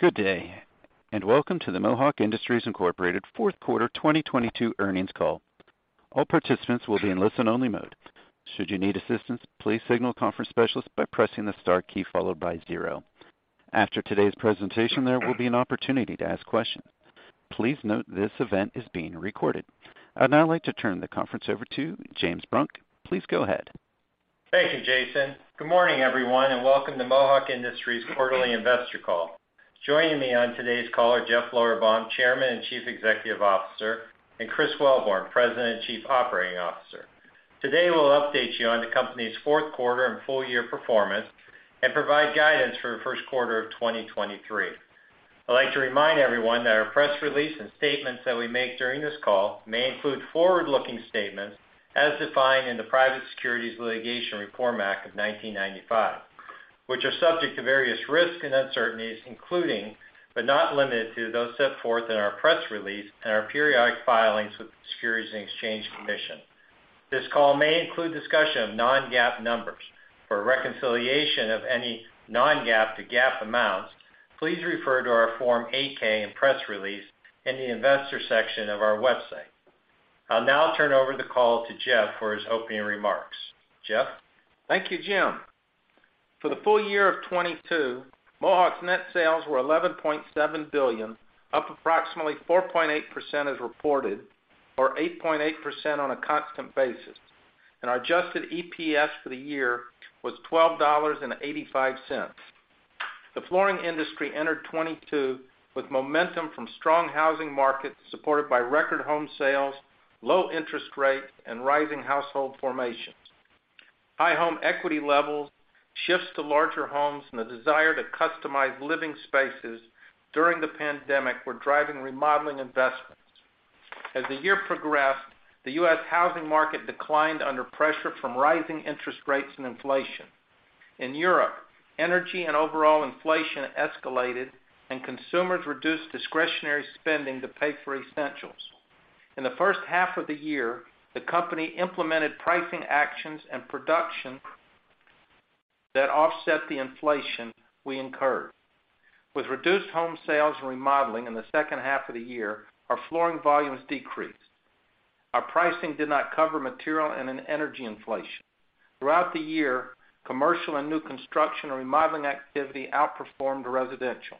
Good day. Welcome to the Mohawk Industries, Inc. Q4 2022 earnings call. All participants will be in listen-only mode. Should you need assistance, please signal conference specialist by pressing the star key followed by zero. After today's presentation, there will be an opportunity to ask questions. Please note this event is being recorded. I'd now like to turn the conference over to James Brunn. Please go ahead. Thank you, Jason. Good morning, everyone, and welcome to Mohawk Industries quarterly investor call. Joining me on today's call are Jeff Lorberbaum, Chairman and Chief Executive Officer, and Christopher Wellborn, President and Chief Operating Officer. Today, we'll update you on the company's Q4 and full year performance and provide guidance for the Q1 of 2023. I'd like to remind everyone that our press release and statements that we make during this call may include forward-looking statements as defined in the Private Securities Litigation Reform Act of 1995, which are subject to various risks and uncertainties, including, but not limited to, those set forth in our press release and our periodic filings with the Securities and Exchange Commission. This call may include discussion of non-GAAP numbers. For a reconciliation of any non-GAAP to GAAP amounts, please refer to our Form 8-K and press release in the investor section of our website. I'll now turn over the call to Jeff for his opening remarks. Jeff? Thank you, James. For the full year of 2022, Mohawk's net sales were $11.7 billion, up approximately 4.8% as reported, or 8.8% on a constant basis, and our adjusted EPS for the year was $12.85. The flooring industry entered 2022 with momentum from strong housing markets supported by record home sales, low interest rates, and rising household formations. High home equity levels, shifts to larger homes, and the desire to customize living spaces during the pandemic were driving remodeling investments. As the year progressed, the U.S. housing market declined under pressure from rising interest rates and inflation. In Europe, energy and overall inflation escalated and consumers reduced discretionary spending to pay for essentials. In the first half of the year, the company implemented pricing actions and production that offset the inflation we incurred. With reduced home sales and remodeling in the second half of the year, our flooring volumes decreased. Our pricing did not cover material and energy inflation. Throughout the year, commercial and new construction or remodeling activity outperformed residential.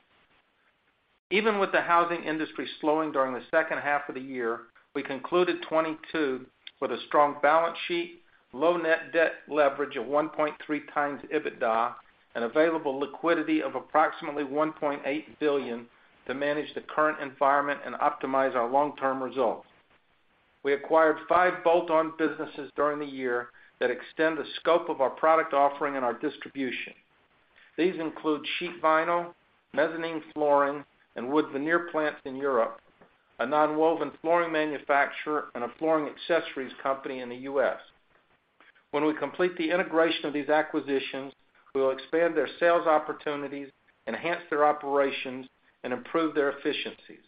Even with the housing industry slowing during the second half of the year, we concluded 2022 with a strong balance sheet, low net debt leverage of 1.3x EBITDA, and available liquidity of approximately $1.8 billion to manage the current environment and optimize our long-term results. We acquired five bolt-on businesses during the year that extend the scope of our product offering and our distribution. These include sheet vinyl, mezzanine flooring and wood veneer plants in Europe, a nonwoven flooring manufacturer, and a flooring accessories company in the U.S. When we complete the integration of these acquisitions, we will expand their sales opportunities, enhance their operations, and improve their efficiencies.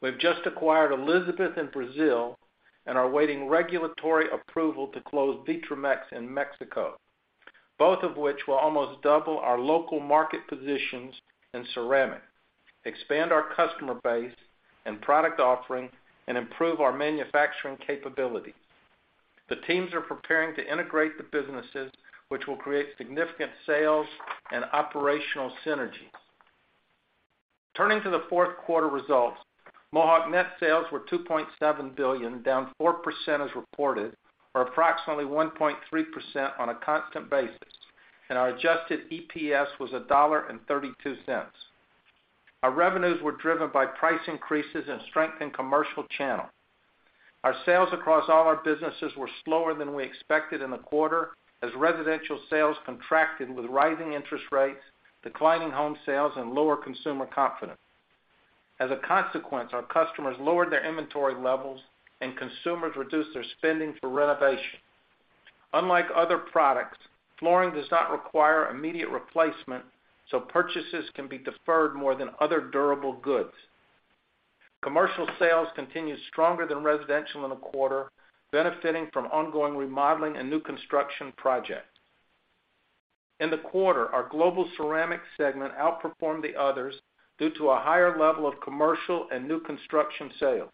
We've just acquired Elizabeth in Brazil and are waiting regulatory approval to close Vitromex in Mexico, both of which will almost double our local market positions in ceramic, expand our customer base and product offering, and improve our manufacturing capabilities. The teams are preparing to integrate the businesses, which will create significant sales and operational synergies. Turning to the Q4 results, Mohawk net sales were $2.7 billion, down 4% as reported, or approximately 1.3% on a constant basis, and our adjusted EPS was $1.32. Our revenues were driven by price increases in strength and commercial channel. Our sales across all our businesses were slower than we expected in the quarter as residential sales contracted with rising interest rates, declining home sales, and lower consumer confidence. Our customers lowered their inventory levels, and consumers reduced their spending for renovation. Unlike other products, flooring does not require immediate replacement, so purchases can be deferred more than other durable goods. Commercial sales continued stronger than residential in the quarter, benefiting from ongoing remodeling and new construction projects. In the quarter, our Global Ceramic segment outperformed the others due to a higher level of commercial and new construction sales.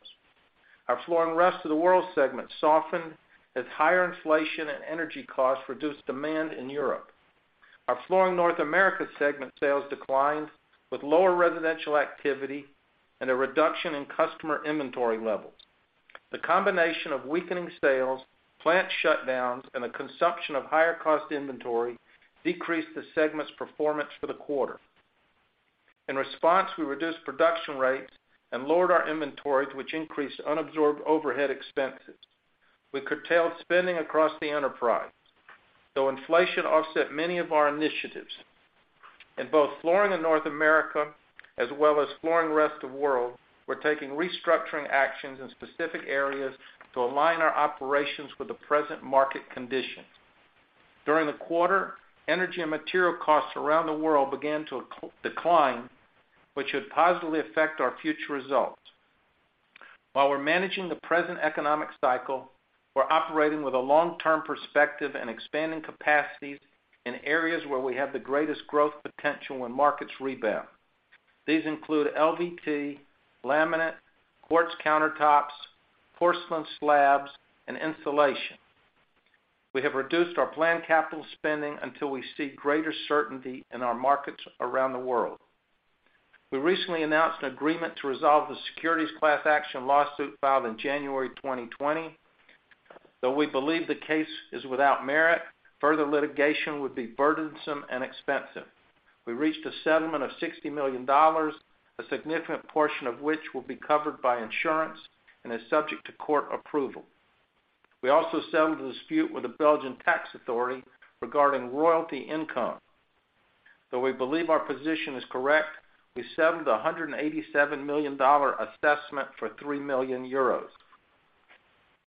Our Flooring Rest of World segment softened as higher inflation and energy costs reduced demand in Europe. Our Flooring North America segment sales declined with lower residential activity and a reduction in customer inventory levels. The combination of weakening sales, plant shutdowns, and the consumption of higher cost inventory decreased the segment's performance for the quarter. In response, we reduced production rates and lowered our inventories, which increased unabsorbed overhead expenses. We curtailed spending across the enterprise, though inflation offset many of our initiatives. In both Flooring North America as well as Flooring Rest of World, we're taking restructuring actions in specific areas to align our operations with the present market conditions. During the quarter, energy and material costs around the world began to decline, which should positively affect our future results. While we're managing the present economic cycle, we're operating with a long-term perspective and expanding capacities in areas where we have the greatest growth potential when markets rebound. These include LVT, laminate, quartz countertops, porcelain slabs, and insulation. We have reduced our planned capital spending until we see greater certainty in our markets around the world. We recently announced an agreement to resolve the securities class action lawsuit filed in January 2020. Though we believe the case is without merit, further litigation would be burdensome and expensive. We reached a settlement of $60 million, a significant portion of which will be covered by insurance and is subject to court approval. We also settled a dispute with the Belgian tax authority regarding royalty income. Though we believe our position is correct, we settled a $187 million assessment for 3 million euros.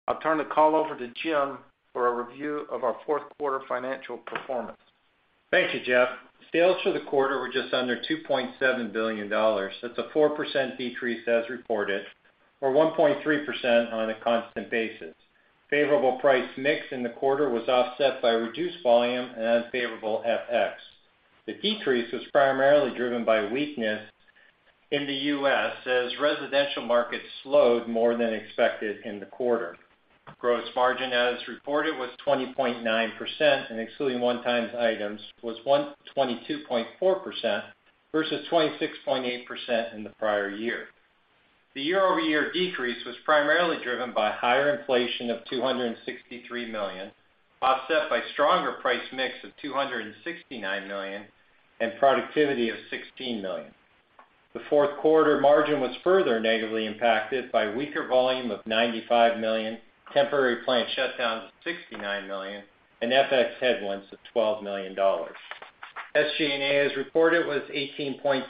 I'll turn the call over to James for a review of our Q4 financial performance. Thank you, Jeff. Sales for the quarter were just under $2.7 billion. That's a 4% decrease as reported, or 1.3% on a constant basis. Favorable price mix in the quarter was offset by reduced volume and unfavorable FX. The decrease was primarily driven by weakness in the U.S. as residential markets slowed more than expected in the quarter. Gross margin, as reported, was 20.9%, and excluding one-time items, was 22.4% versus 26.8% in the prior year. The year-over-year decrease was primarily driven by higher inflation of $263 million, offset by stronger price mix of $269 million and productivity of $16 million. The Q4 margin was further negatively impacted by weaker volume of $95 million, temporary plant shutdowns of $69 million, and FX headwinds of $12 million. SG&A, as reported, was 18.6%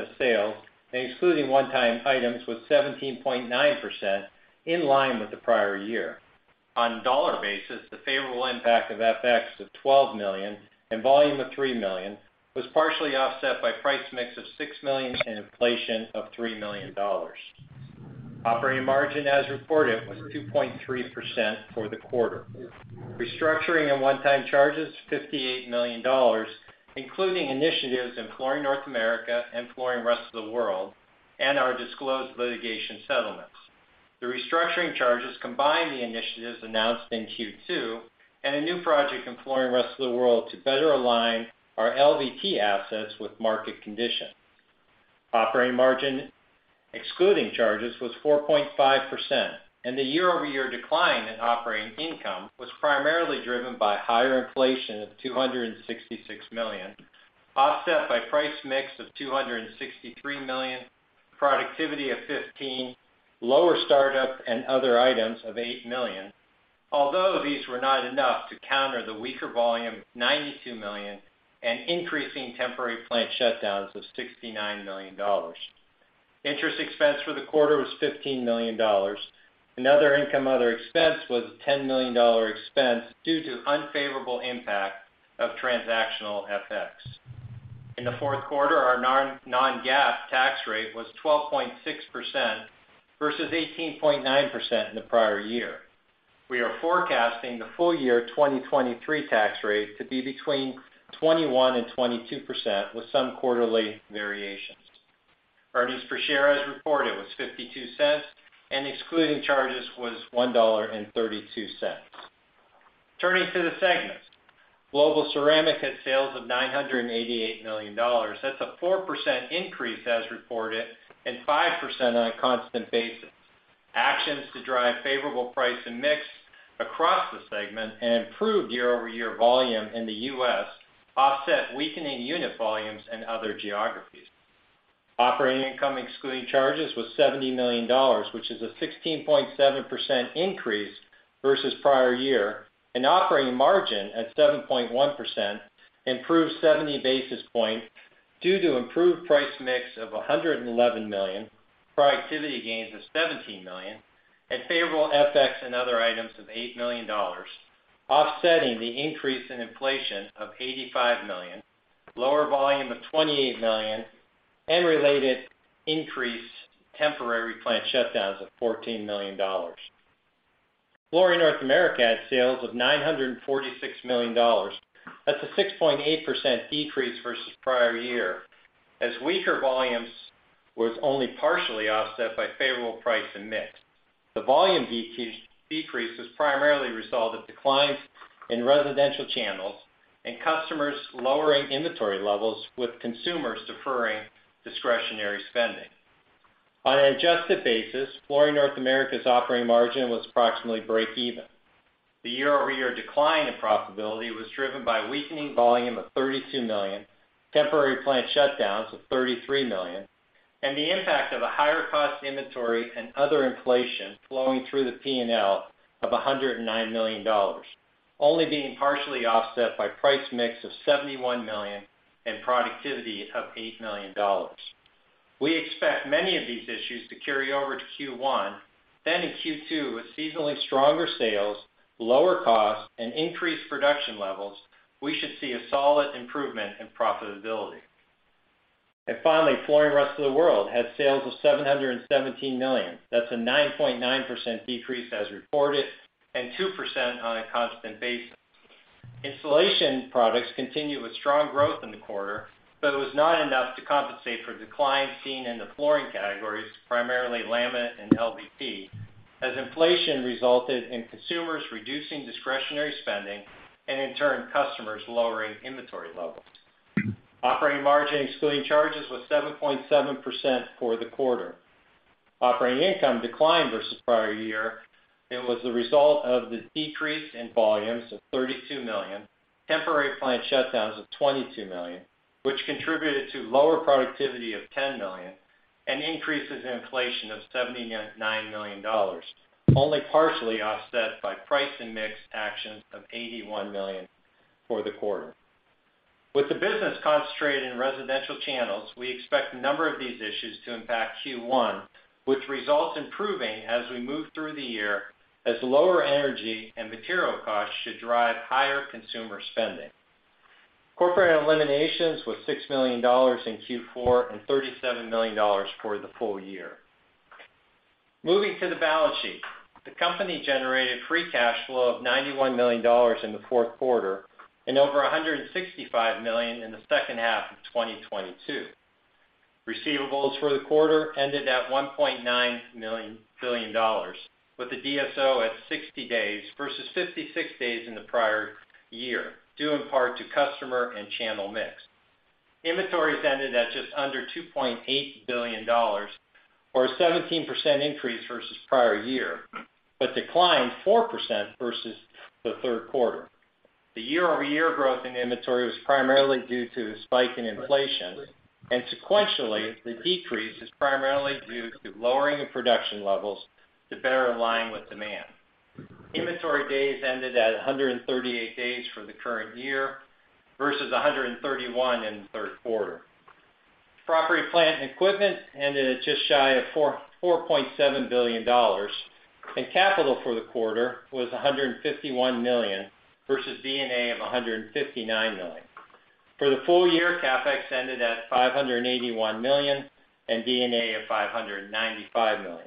of sales, and excluding one-time items, was 17.9%, in line with the prior year. On dollar basis, the favorable impact of FX of $12 million and volume of $3 million was partially offset by price mix of $6 million and inflation of $3 million. Operating margin, as reported, was 2.3% for the quarter. Restructuring and one-time charge is $58 million, including initiatives in Flooring North America and Flooring Rest of the World, and our disclosed litigation settlements. The restructuring charges combine the initiatives announced in Q2 and a new project in Flooring Rest of the World to better align our LVT assets with market conditions. Operating margin excluding charges was 4.5%. The year-over-year decline in operating income was primarily driven by higher inflation of $266 million, offset by price mix of $263 million, productivity of $15 million, lower startup and other items of $8 million. These were not enough to counter the weaker volume of $92 million and increasing temporary plant shutdowns of $69 million. Interest expense for the quarter was $15 million. Other income other expense was a $10 million expense due to unfavorable impact of transactional FX. The Q4, our non-GAAP tax rate was 12.6% versus 18.9% in the prior year. We are forecasting the full year 2023 tax rate to be between 21% and 22% with some quarterly variations. Earnings per share as reported was $0.52 and excluding charges was $1.32. Turning to the segments. Global Ceramic had sales of $988 million. That's a 4% increase as reported and 5% on a constant basis. Actions to drive favorable price and mix across the segment and improved year-over-year volume in the U.S. offset weakening unit volumes in other geographies. Operating income excluding charges was $70 million, which is a 16.7% increase versus prior year, and operating margin at 7.1% improved 70 basis points due to improved price mix of $111 million, productivity gains of $17 million, and favorable FX and other items of $8 million, offsetting the increase in inflation of $85 million, lower volume of $28 million, and related increase temporary plant shutdowns of $14 million. Flooring North America had sales of $946 million. That's a 6.8% decrease versus prior year, as weaker volumes was only partially offset by favorable price and mix. The volume decrease was primarily a result of declines in residential channels and customers lowering inventory levels with consumers deferring discretionary spending. On an adjusted basis, Flooring North America's operating margin was approximately break even. The year-over-year decline in profitability was driven by weakening volume of $32 million, temporary plant shutdowns of $33 million, and the impact of a higher cost inventory and other inflation flowing through the P&L of $109 million, only being partially offset by price mix of $71 million and productivity of $8 million. We expect many of these issues to carry over to Q1. In Q2, with seasonally stronger sales, lower costs, and increased production levels, we should see a solid improvement in profitability. Finally, Flooring Rest of the World had sales of $717 million. That's a 9.9% decrease as reported, and 2% on a constant basis. Installation products continue with strong growth in the quarter, but it was not enough to compensate for declines seen in the flooring categories, primarily laminate and LVP, as inflation resulted in consumers reducing discretionary spending and, in turn, customers lowering inventory levels. Operating margin, excluding charges, was 7.7% for the quarter. Operating income declined versus prior year, and was the result of the decrease in volumes of $32 million, temporary plant shutdowns of $22 million, which contributed to lower productivity of $10 million, and increases in inflation of $79 million, only partially offset by price and mix actions of $81 million for the quarter. With the business concentrated in residential channels, we expect a number of these issues to impact Q1, which results in improving as we move through the year, as lower energy and material costs should drive higher consumer spending. Corporate eliminations was $6 million in Q4 and $37 million for the full year. Moving to the balance sheet. The company generated free cash flow of $91 million in the Q4 and over $165 million in the second half of 2022. Receivables for the quarter ended at $1.9 billion, with the DSO at 60 days versus 56 days in the prior year, due in part to customer and channel mix. Inventories ended at just under $2.8 billion, or a 17% increase versus prior year, declined 4% versus the Q3. The year-over-year growth in inventory was primarily due to the spike in inflation, sequentially, the decrease is primarily due to lowering of production levels to better align with demand. Inventory days ended at 138 days for the current year versus 131 in the Q3. Property, plant and equipment ended at just shy of $4.7 billion, capital for the quarter was $151 million versus D&A of $159 million. For the full year, CapEx ended at $581 million and D&A of $595 million.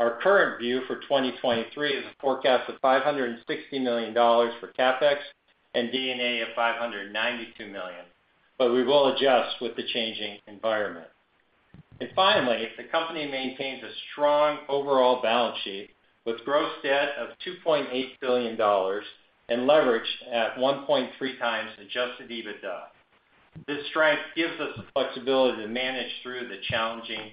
Our current view for 2023 is a forecast of $560 million for CapEx and D&A of $592 million, but we will adjust with the changing environment. Finally, the company maintains a strong overall balance sheet with gross debt of $2.8 billion and leverage at 1.3 times adjusted EBITDA. This strength gives us the flexibility to manage through the challenging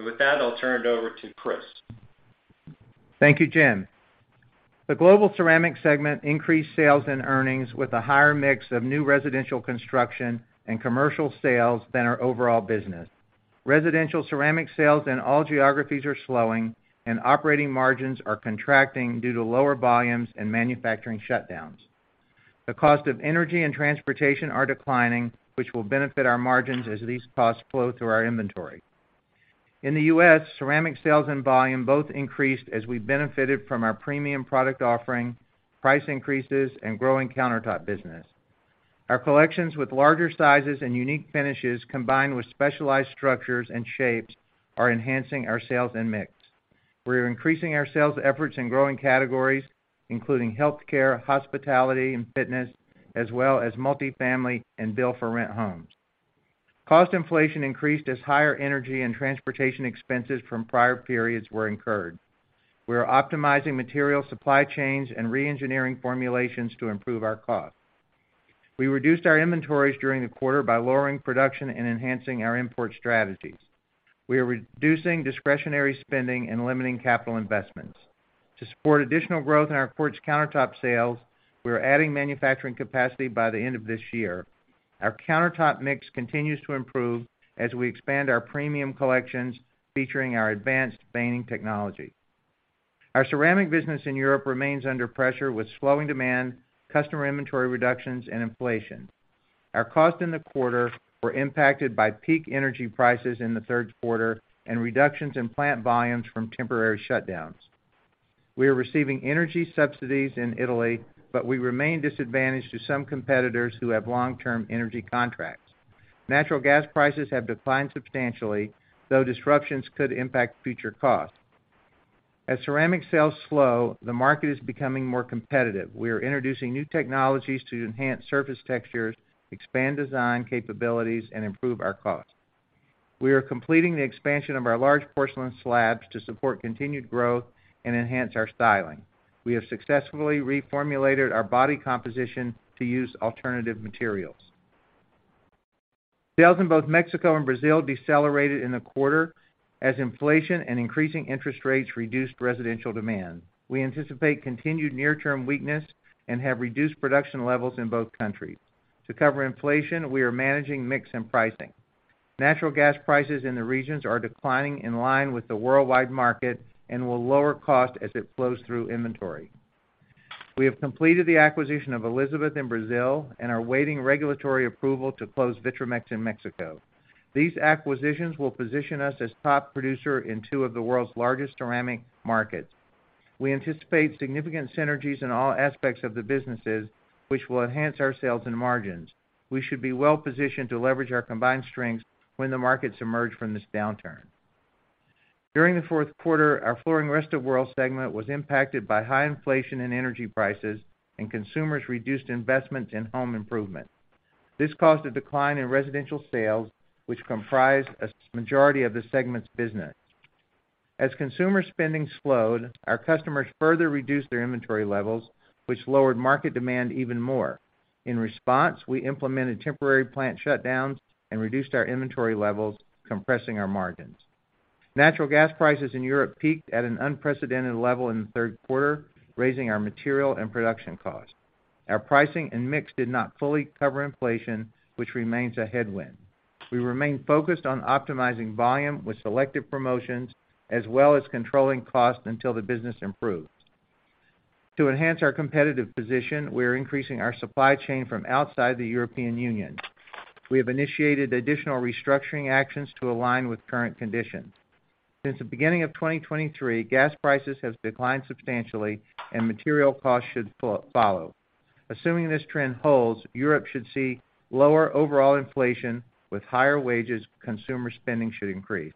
environment. With that, I'll turn it over to Christopher. Thank you, James. The Global Ceramic segment increased sales and earnings with a higher mix of new residential construction and commercial sales than our overall business. Residential ceramic sales in all geographies are slowing, and operating margins are contracting due to lower volumes and manufacturing shutdowns. The cost of energy and transportation are declining, which will benefit our margins as these costs flow through our inventory. In the U.S., ceramic sales and volume both increased as we benefited from our premium product offering, price increases, and growing countertop business. Our collections with larger sizes and unique finishes, combined with specialized structures and shapes, are enhancing our sales and mix. We are increasing our sales efforts in growing categories, including healthcare, hospitality, and fitness, as well as multifamily and build-for-rent homes. Cost inflation increased as higher energy and transportation expenses from prior periods were incurred. We are optimizing material supply chains and re-engineering formulations to improve our cost. We reduced our inventories during the quarter by lowering production and enhancing our import strategies. We are reducing discretionary spending and limiting capital investments. To support additional growth in our quartz countertop sales, we are adding manufacturing capacity by the end of this year. Our countertop mix continues to improve as we expand our premium collections, featuring our advanced veining technology. Our ceramic business in Europe remains under pressure with slowing demand, customer inventory reductions, and inflation. Our costs in the quarter were impacted by peak energy prices in the Q3 and reductions in plant volumes from temporary shutdowns. We are receiving energy subsidies in Italy, but we remain disadvantaged to some competitors who have long-term energy contracts. Natural gas prices have declined substantially, though disruptions could impact future costs. As ceramic sales slow, the market is becoming more competitive. We are introducing new technologies to enhance surface textures, expand design capabilities, and improve our costs. We are completing the expansion of our large porcelain slabs to support continued growth and enhance our styling. We have successfully reformulated our body composition to use alternative materials. Sales in both Mexico and Brazil decelerated in the quarter as inflation and increasing interest rates reduced residential demand. We anticipate continued near-term weakness and have reduced production levels in both countries. To cover inflation, we are managing mix and pricing. Natural gas prices in the regions are declining in line with the worldwide market and will lower cost as it flows through inventory. We have completed the acquisition of Elizabeth in Brazil and are awaiting regulatory approval to close Vitromex in Mexico. These acquisitions will position us as top producer in two of the world's largest ceramic markets. We anticipate significant synergies in all aspects of the businesses which will enhance our sales and margins. We should be well-positioned to leverage our combined strengths when the markets emerge from this downturn. During the Q4, our Flooring Rest of World segment was impacted by high inflation in energy prices and consumers reduced investment in home improvement. This caused a decline in residential sales, which comprise a majority of the segment's business. As consumer spending slowed, our customers further reduced their inventory levels, which lowered market demand even more. In response, we implemented temporary plant shutdowns and reduced our inventory levels, compressing our margins. Natural gas prices in Europe peaked at an unprecedented level in the Q3, raising our material and production costs. Our pricing and mix did not fully cover inflation, which remains a headwind. We remain focused on optimizing volume with selective promotions as well as controlling costs until the business improves. To enhance our competitive position, we are increasing our supply chain from outside the European Union. We have initiated additional restructuring actions to align with current conditions. Since the beginning of 2023, gas prices have declined substantially and material costs should follow. Assuming this trend holds, Europe should see lower overall inflation. With higher wages, consumer spending should increase.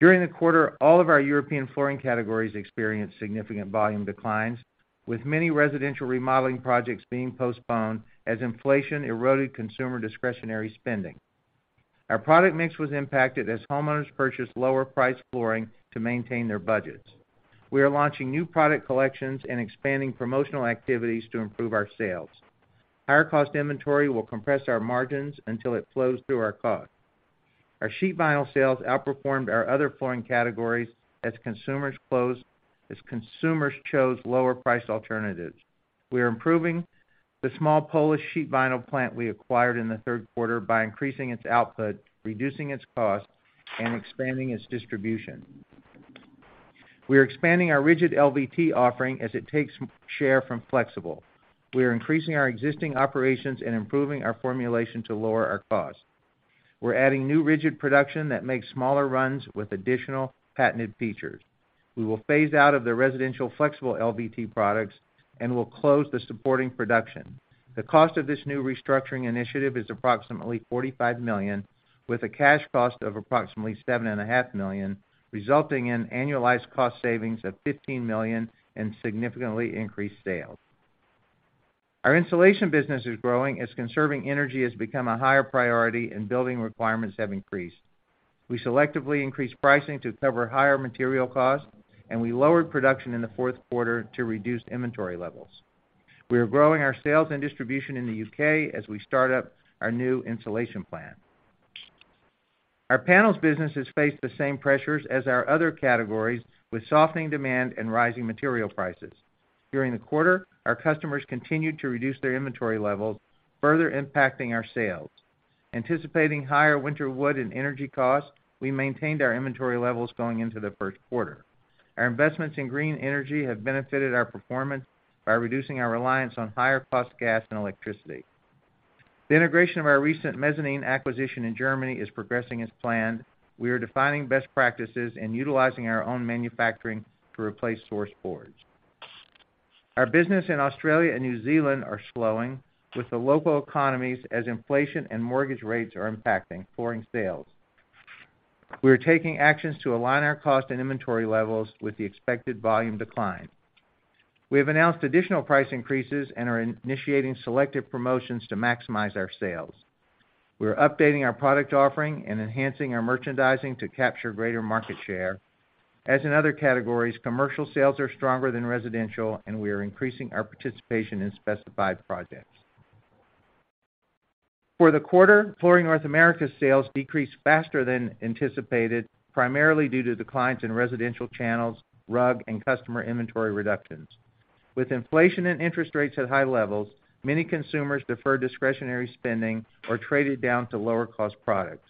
During the quarter, all of our European flooring categories experienced significant volume declines, with many residential remodeling projects being postponed as inflation eroded consumer discretionary spending. Our product mix was impacted as homeowners purchased lower-priced flooring to maintain their budgets. We are launching new product collections and expanding promotional activities to improve our sales. Higher cost inventory will compress our margins until it flows through our costs. Our sheet vinyl sales outperformed our other flooring categories as consumers chose lower-priced alternatives. We are improving the small Polish sheet vinyl plant we acquired in the Q3 by increasing its output, reducing its cost, and expanding its distribution. We are expanding our rigid LVT offering as it takes share from flexible. We are increasing our existing operations and improving our formulation to lower our costs. We're adding new rigid production that makes smaller runs with additional patented features. We will phase out of the residential flexible LVT products and will close the supporting production. The cost of this new restructuring initiative is approximately $45 million, with a cash cost of approximately seven and a half million, resulting in annualized cost savings of $15 million and significantly increased sales. Our insulation business is growing as conserving energy has become a higher priority and building requirements have increased. We selectively increased pricing to cover higher material costs, and we lowered production in the Q4 to reduce inventory levels. We are growing our sales and distribution in the UK as we start up our new insulation plant. Our panels business has faced the same pressures as our other categories, with softening demand and rising material prices. During the quarter, our customers continued to reduce their inventory levels, further impacting our sales. Anticipating higher winter wood and energy costs, we maintained our inventory levels going into the Q1. Our investments in green energy have benefited our performance by reducing our reliance on higher-cost gas and electricity. The integration of our recent mezzanine acquisition in Germany is progressing as planned. We are defining best practices and utilizing our own manufacturing to replace source boards. Our business in Australia and New Zealand are slowing, with the local economies as inflation and mortgage rates are impacting flooring sales. We are taking actions to align our cost and inventory levels with the expected volume decline. We have announced additional price increases and are initiating selective promotions to maximize our sales. We are updating our product offering and enhancing our merchandising to capture greater market share. As in other categories, commercial sales are stronger than residential, and we are increasing our participation in specified projects. For the quarter, Flooring North America's sales decreased faster than anticipated, primarily due to declines in residential channels, rug, and customer inventory reductions. With inflation and interest rates at high levels, many consumers deferred discretionary spending or traded down to lower-cost products.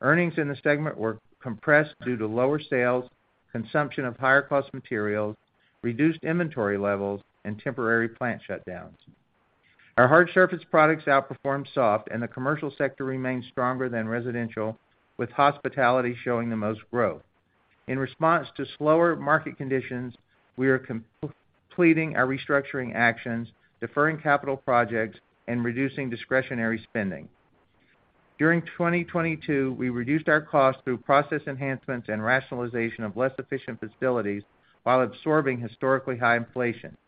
Earnings in the segment were compressed due to lower sales, consumption of higher-cost materials, reduced inventory levels, and temporary plant shutdowns. Our hard surface products outperformed soft, and the commercial sector remains stronger than residential, with hospitality showing the most growth. In response to slower market conditions, we are completing our restructuring actions, deferring capital projects, and reducing discretionary spending. During 2022, we reduced our costs through process enhancements and rationalization of less efficient facilities while absorbing historically high inflation.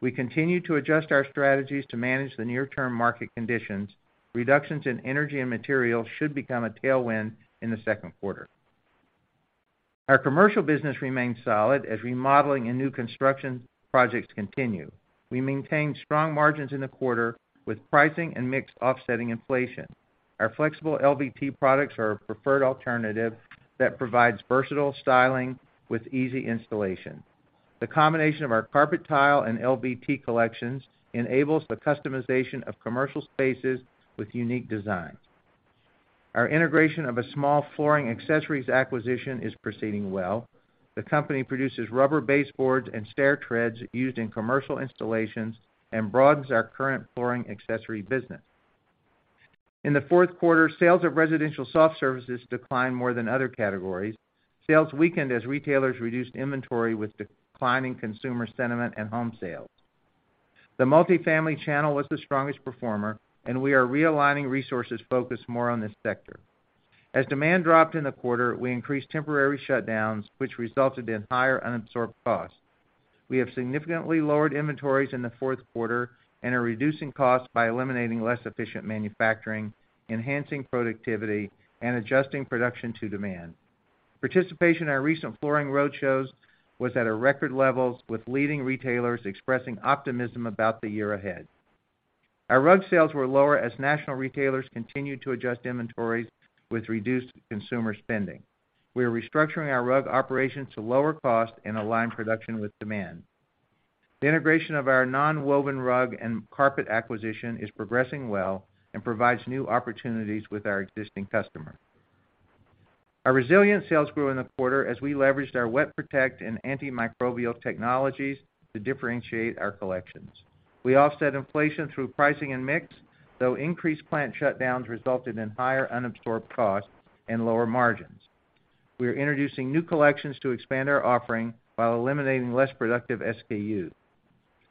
We continue to adjust our strategies to manage the near-term market conditions. Reductions in energy and materials should become a tailwind in the Q2. Our commercial business remains solid as remodeling and new construction projects continue. We maintained strong margins in the quarter with pricing and mix offsetting inflation. Our flexible LVT products are a preferred alternative that provides versatile styling with easy installation. The combination of our carpet tile and LVT collections enables the customization of commercial spaces with unique designs. Our integration of a small flooring accessories acquisition is proceeding well. The company produces rubber baseboards and stair treads used in commercial installations and broadens our current flooring accessory business. In the Q4, sales of residential soft services declined more than other categories. Sales weakened as retailers reduced inventory with declining consumer sentiment and home sales. The multifamily channel was the strongest performer, and we are realigning resources focused more on this sector. As demand dropped in the quarter, we increased temporary shutdowns, which resulted in higher unabsorbed costs. We have significantly lowered inventories in the Q4 and are reducing costs by eliminating less efficient manufacturing, enhancing productivity, and adjusting production to demand. Participation in our recent flooring roadshows was at a record level, with leading retailers expressing optimism about the year ahead. Our rug sales were lower as national retailers continued to adjust inventories with reduced consumer spending. We are restructuring our rug operations to lower costs and align production with demand. The integration of our nonwoven rug and carpet acquisition is progressing well and provides new opportunities with our existing customers. Our resilient sales grew in the quarter as we leveraged our WetProtect and antimicrobial technologies to differentiate our collections. We offset inflation through pricing and mix, though increased plant shutdowns resulted in higher unabsorbed costs and lower margins. We are introducing new collections to expand our offering while eliminating less productive SKUs.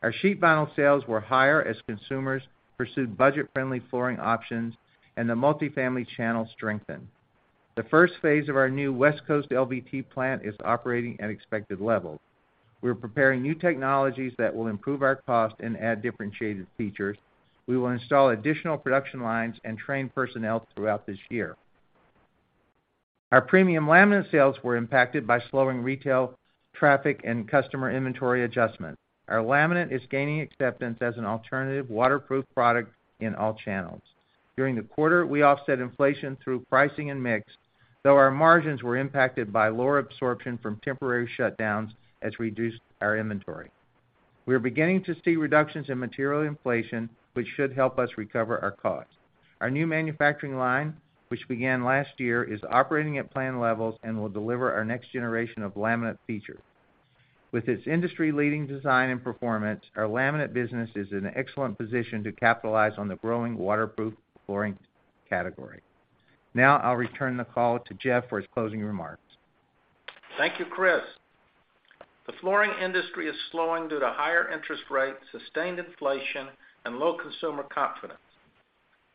Our sheet vinyl sales were higher as consumers pursued budget-friendly flooring options and the multifamily channel strengthened. The first phase of our new West Coast LVT plant is operating at expected levels. We are preparing new technologies that will improve our cost and add differentiated features. We will install additional production lines and train personnel throughout this year. Our premium laminate sales were impacted by slowing retail traffic and customer inventory adjustment. Our laminate is gaining acceptance as an alternative waterproof product in all channels. During the quarter, we offset inflation through pricing and mix, though our margins were impacted by lower absorption from temporary shutdowns as we reduced our inventory. We are beginning to see reductions in material inflation, which should help us recover our costs. Our new manufacturing line, which began last year, is operating at planned levels and will deliver our next generation of laminate features. With its industry-leading design and performance, our laminate business is in an excellent position to capitalize on the growing waterproof flooring category. I'll return the call to Jeff for his closing remarks. Thank you, Christopher. The flooring industry is slowing due to higher interest rates, sustained inflation, and low consumer confidence.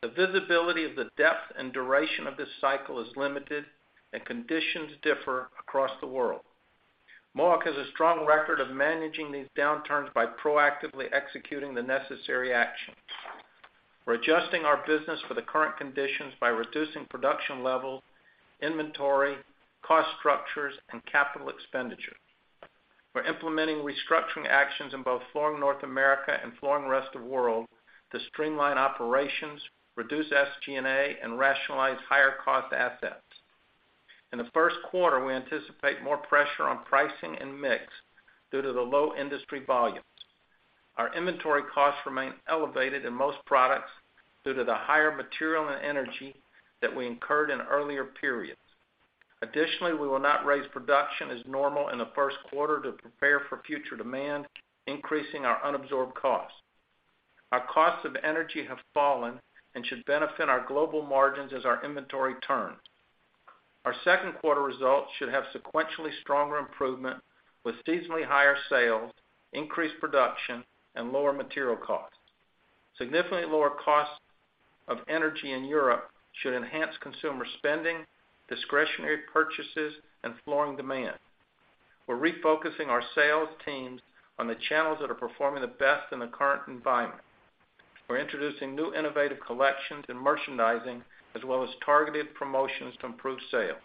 The visibility of the depth and duration of this cycle is limited, and conditions differ across the world. Mohawk has a strong record of managing these downturns by proactively executing the necessary actions. We're adjusting our business for the current conditions by reducing production levels, inventory, cost structures, and capital expenditure. We're implementing restructuring actions in both Flooring North America and Flooring Rest of World to streamline operations, reduce SG&A, and rationalize higher-cost assets. In the Q1, we anticipate more pressure on pricing and mix due to the low industry volumes. Our inventory costs remain elevated in most products due to the higher material and energy that we incurred in earlier periods. Additionally, we will not raise production as normal in the Q1 to prepare for future demand, increasing our unabsorbed costs. Our costs of energy have fallen and should benefit our global margins as our inventory turns. Our Q2 results should have sequentially stronger improvement with seasonally higher sales, increased production, and lower material costs. Significantly lower costs of energy in Europe should enhance consumer spending, discretionary purchases, and flooring demand. We're refocusing our sales teams on the channels that are performing the best in the current environment. We're introducing new innovative collections and merchandising, as well as targeted promotions to improve sales.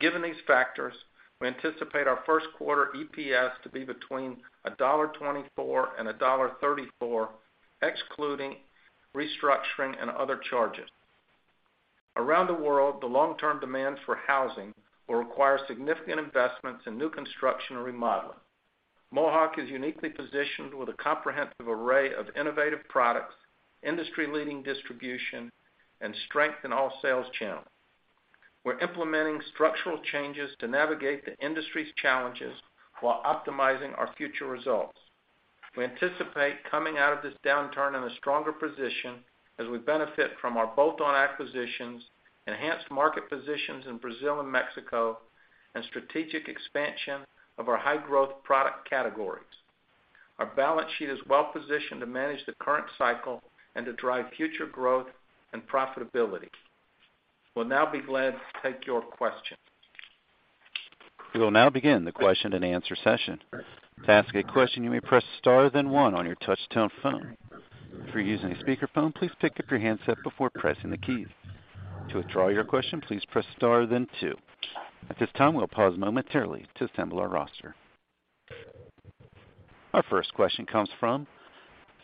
Given these factors, we anticipate our Q1 EPS to be between $1.24 and $1.34, excluding restructuring and other charges. Around the world, the long-term demand for housing will require significant investments in new construction and remodeling. Mohawk is uniquely positioned with a comprehensive array of innovative products, industry-leading distribution, and strength in all sales channels. We're implementing structural changes to navigate the industry's challenges while optimizing our future results. We anticipate coming out of this downturn in a stronger position as we benefit from our bolt-on acquisitions, enhanced market positions in Brazil and Mexico, and strategic expansion of our high-growth product categories. Our balance sheet is well-positioned to manage the current cycle and to drive future growth and profitability. We'll now be glad to take your questions. We will now begin the question-and-answer session. To ask a question, you may press star then one on your touch-tone phone. If you're using a speakerphone, please pick up your handset before pressing the keys. To withdraw your question, please press star then two. At this time, we'll pause momentarily to assemble our roster. Our first question comes from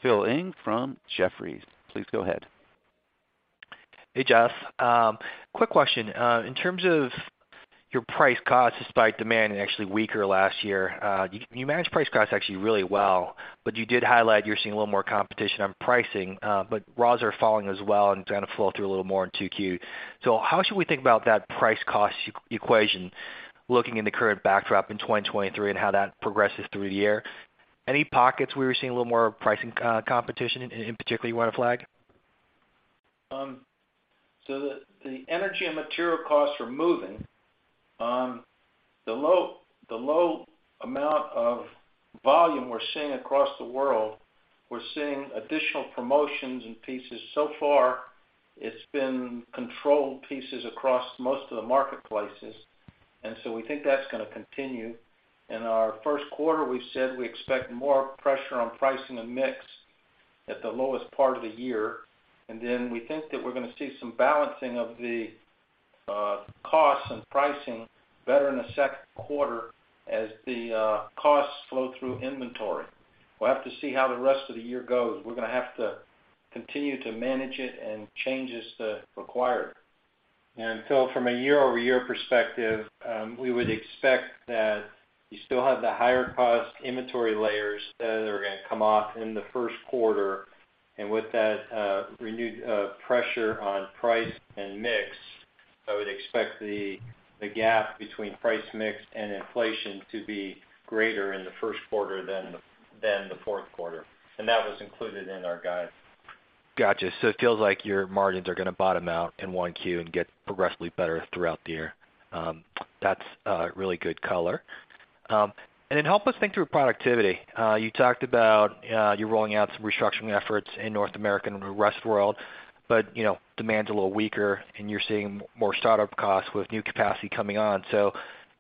Phil Ng from Jefferies. Please go ahead. Hey, Jeff. Quick question. In terms of your price cost despite demand and actually weaker last year, you managed price cost actually really well, but you did highlight you're seeing a little more competition on pricing. Raws are falling as well and kind of flow through a little more in 2Q. How should we think about that price cost equation looking in the current backdrop in 2023 and how that progresses through the year? Any pockets where you're seeing a little more pricing competition in particular you want to flag? The energy and material costs are moving. The low amount of volume we're seeing across the world, we're seeing additional promotions and pieces. So far, it's been controlled pieces across most of the marketplaces. We think that's going to continue. In our Q1, we said we expect more pressure on pricing and mix at the lowest part of the year. We think that we're going to see some balancing of the costs and pricing better in the Q2 as the costs flow through inventory. We'll have to see how the rest of the year goes. We're going to have to continue to manage it and change as required. From a year-over-year perspective, we would expect that you still have the higher cost inventory layers that are going to come off in the Q1. With that, renewed pressure on price and mix, I would expect the gap between price mix and inflation to be greater in the Q1 than the Q4. That was included in our guide. Got it. It feels like your margins are going to bottom out in 1Q and get progressively better throughout the year. That's really good color. Help us think through productivity. You talked about you're rolling out some restructuring efforts in North America and the Rest of the World demand's a little weaker, and you're seeing more startup costs with new capacity coming on.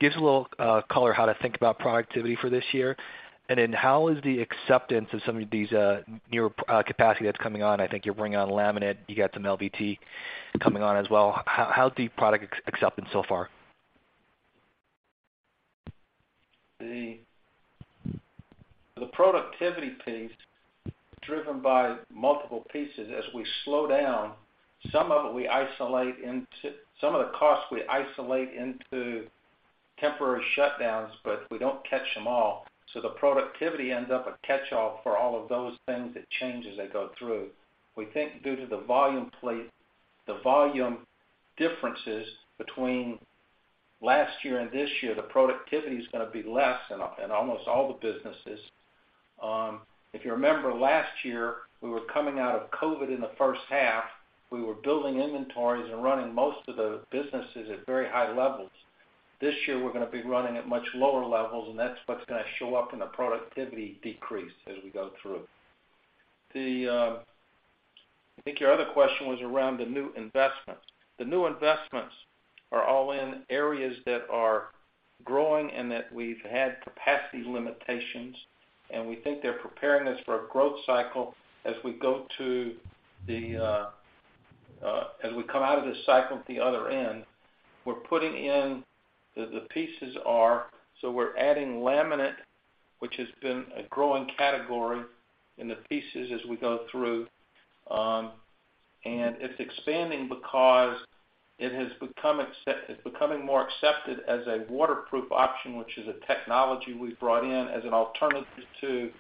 Give us a little color how to think about productivity for this year. How is the acceptance of some of these newer capacity that's coming on? I think you're bringing on laminate, you got some LVT coming on as well. How's the product acceptance so far? The productivity piece, driven by multiple pieces as we slow down, some of the costs we isolate into temporary shutdowns, but we don't catch them all. The productivity ends up a catch-all for all of those things that change as they go through. We think due to the volume plate, the volume differences between last year and this year, the productivity is going to be less in almost all the businesses. If you remember last year, we were coming out of COVID in the first half. We were building inventories and running most of the businesses at very high levels. This year, we're going to be running at much lower levels, and that's what's going to show up in the productivity decrease as we go through. I think your other question was around the new investments. The new investments are all in areas that are growing and that we've had capacity limitations, and we think they're preparing us for a growth cycle as we go to the, as we come out of this cycle at the other end. We're putting in the pieces, so we're adding laminate, which has been a growing category in the pieces as we go through. It's expanding because it's becoming more accepted as a waterproof option, which is a technology we've brought in as an alternative to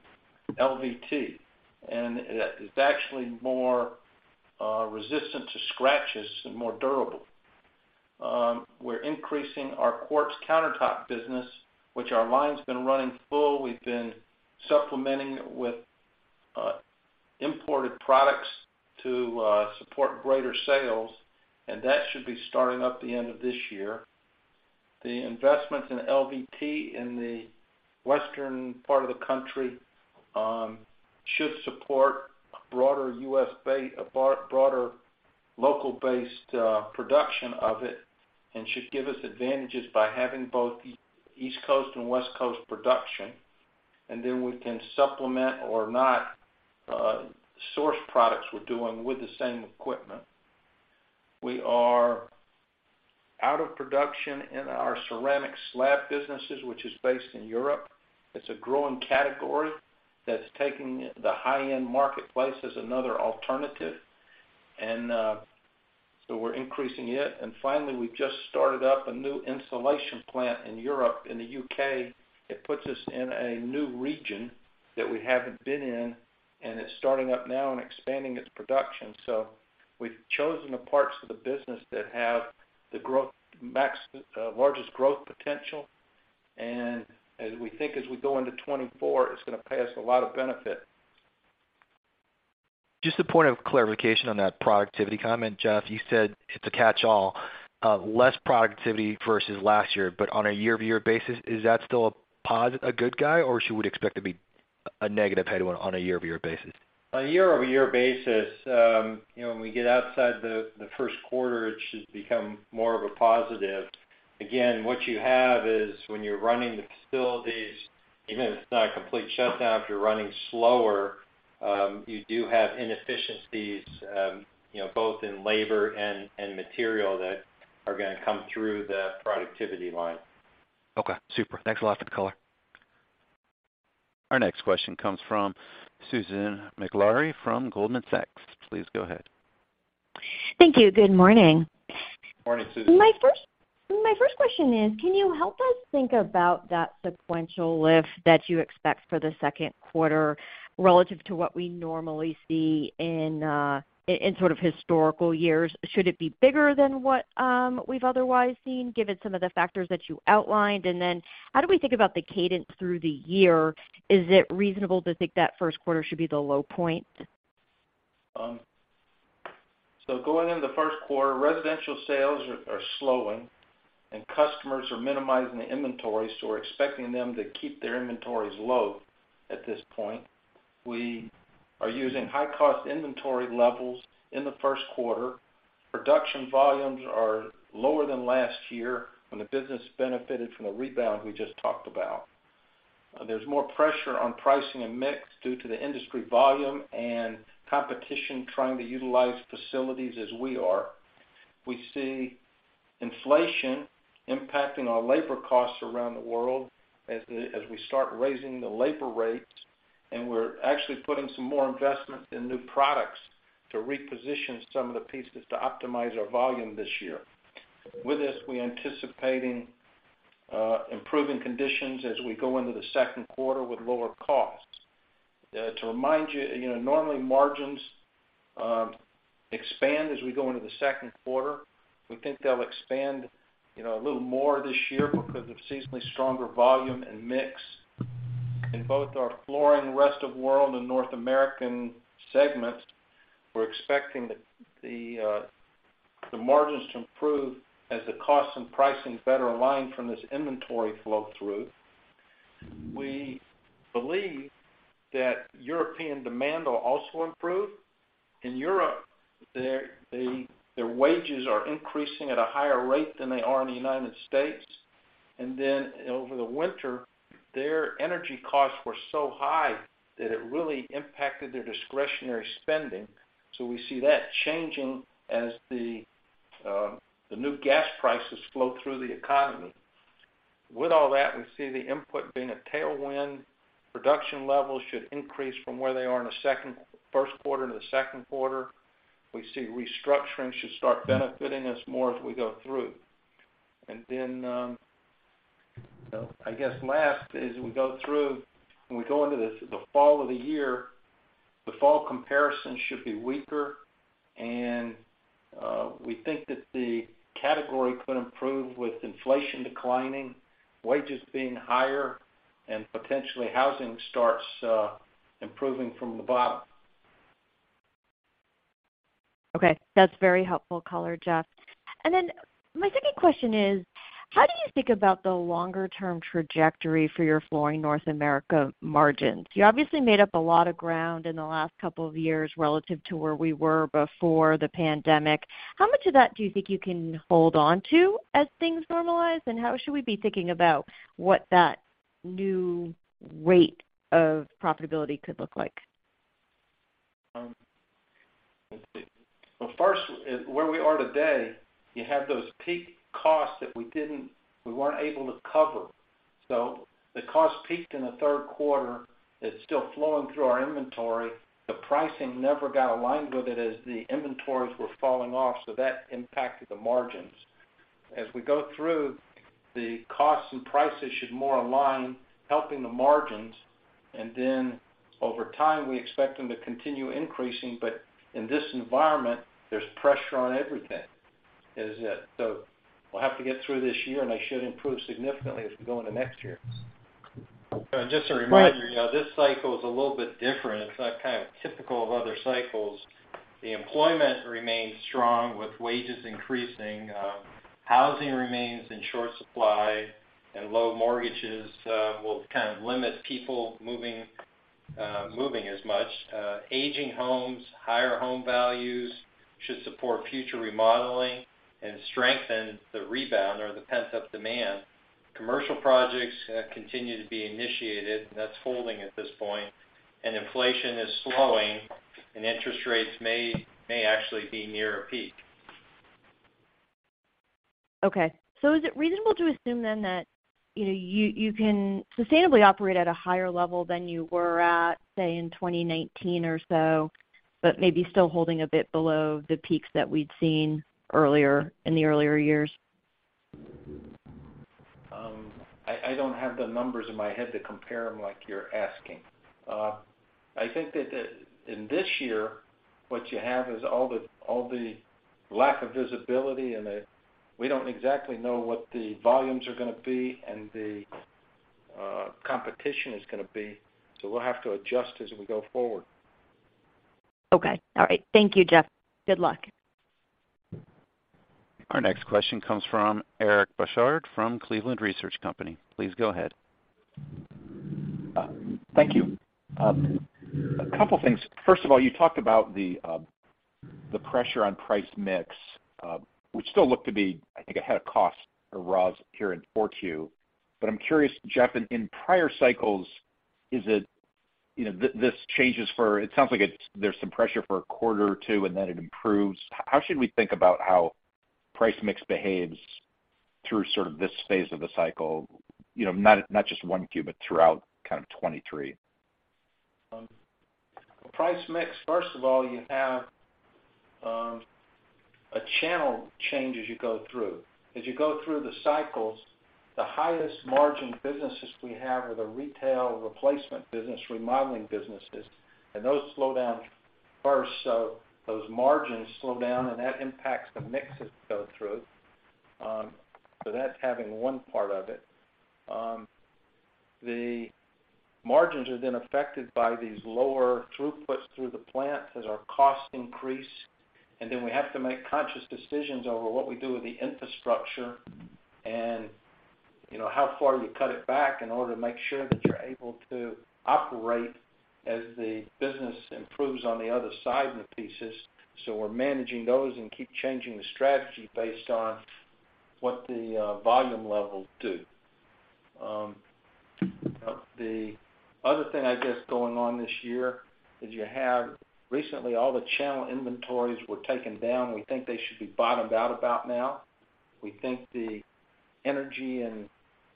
LVT. It, it's actually more resistant to scratches and more durable. We're increasing our quartz countertop business, which our line's been running full. We've been supplementing it with imported products to support greater sales, and that should be starting up the end of this year. The investments in LVT in the western part of the country should support a broader local-based production of it and should give us advantages by having both East Coast and West Coast production. Then we can supplement or not source products we're doing with the same equipment. We are out of production in our ceramic slab businesses, which is based in Europe. It's a growing category that's taking the high-end marketplace as another alternative. We're increasing it. Finally, we've just started up a new insulation plant in Europe, in the U.K. It puts us in a new region that we haven't been in, and it's starting up now and expanding its production. We've chosen the parts of the business that have the largest growth potential. As we think as we go into 2024, it's going to pay us a lot of benefit. Just a point of clarification on that productivity comment, Jeff. You said it's a catch-all, less productivity versus last year. On a year-over-year basis, is that still a positive, a good guy? Should we expect it to be a negative headwind on a year-over-year basis? On a year-over-year basis, when we get outside the Q1, it should become more of a positive. Again, what you have is when you're running the facilities, even if it's not a complete shutdown, if you're running slower, you do have inefficiencies, both in labor and material that are going to come through the productivity line. Okay, super. Thanks a lot for the color. Our next question comes from Susan Maklari from Goldman Sachs. Please go ahead. Thank you. Good morning. Morning, Susan. My first question is, can you help us think about that sequential lift that you expect for the Q2 relative to what we normally see in sort of historical years? Should it be bigger than what we've otherwise seen, given some of the factors that you outlined? How do we think about the cadence through the year? Is it reasonable to think that Q1 should be the low point? Going into the Q1, residential sales are slowing and customers are minimizing the inventory, so we're expecting them to keep their inventories low at this point. We are using high cost inventory levels in the Q1. Production volumes are lower than last year when the business benefited from the rebound we just talked about. There's more pressure on pricing and mix due to the industry volume and competition trying to utilize facilities as we are. We see inflation impacting our labor costs around the world as we start raising the labor rates, and we're actually putting some more investment in new products to reposition some of the pieces to optimize our volume this year. With this, we're anticipating improving conditions as we go into the Q2 with lower costs. To remind normally margins expand as we go into the Q2. We think they'll expand, a little more this year because of seasonally stronger volume and mix. In both our Flooring Rest of the World and North American segments, we're expecting the margins to improve as the costs and pricing better align from this inventory flow-through. We believe that European demand will also improve. In Europe, their wages are increasing at a higher rate than they are in the United States. Over the winter, their energy costs were so high that it really impacted their discretionary spending. We see that changing as the new gas prices flow through the economy. With all that, we see the input being a tailwind. Production levels should increase from where they are in the Q1 to the Q2. We see restructuring should start benefiting us more as we go through. I guess last, as we go through, when we go into this, the fall of the year, the fall comparison should be weaker. We think that the category could improve with inflation declining, wages being higher, and potentially housing starts improving from the bottom. Okay, that's very helpful color, Jeff. My second question is: how do you think about the longer term trajectory for your Flooring North America margins? You obviously made up a lot of ground in the last couple of years relative to where we were before the pandemic. How much of that do you think you can hold on to as things normalize? How should we be thinking about what that new rate of profitability could look like? Let's see. First, where we are today, you have those peak costs that we weren't able to cover. The cost peaked in the Q3. It's still flowing through our inventory. The pricing never got aligned with it as the inventories were falling off, that impacted the margins. As we go through, the costs and prices should more align, helping the margins. Over time, we expect them to continue increasing. In this environment, there's pressure on everything, is it. We'll have to get through this year, and they should improve significantly as we go into next year. Just a reminder, this cycle is a little bit different. It's not kind of typical of other cycles. The employment remains strong with wages increasing. Housing remains in short supply, and low mortgages will kind of limit people moving as much. Aging homes, higher home values should support future remodeling and strengthen the rebound or the pent-up demand. Commercial projects continue to be initiated, and that's holding at this point. Inflation is slowing, and interest rates may actually be near a peak. Okay. Is it reasonable to assume then that, you can sustainably operate at a higher level than you were at, say, in 2019 or so, but maybe still holding a bit below the peaks that we'd seen earlier in the earlier years? I don't have the numbers in my head to compare them like you're asking. I think that, in this year, what you have is all the, all the lack of visibility, we don't exactly know what the volumes are going to be and the competition is going to be. We'll have to adjust as we go forward. Okay. All right. Thank you, Jeff. Good luck. Our next question comes from Eric Bosshard from Cleveland Research Company. Please go ahead. Thank you. A couple of things. First of all, you talked about the pressure on price mix, which still look to be, I think, ahead of cost or raws here in 4Q. I'm curious, Jeff, in prior cycles, is it, this changes for It sounds like there's some pressure for a quarter or 2, and then it improves. How should we think about how price mix behaves through sort of this phase of the cycle not just 1 cube, but throughout kind of 2023? Price mix, first of all, you have a channel change as you go through. As you go through the cycles, the highest margin businesses we have are the retail replacement business, remodeling businesses, and those slow down first. Those margins slow down, and that impacts the mix as we go through. That's having one part of it. The margins are then affected by these lower throughputs through the plant as our costs increase, and then we have to make conscious decisions over what we do with the infrastructure. How far you cut it back in order to make sure that you're able to operate as the business improves on the other side of the thesis. We're managing those and keep changing the strategy based on what the volume levels do. The other thing, I guess, going on this year is you have recently all the channel inventories were taken down. We think they should be bottomed out about now. We think the energy and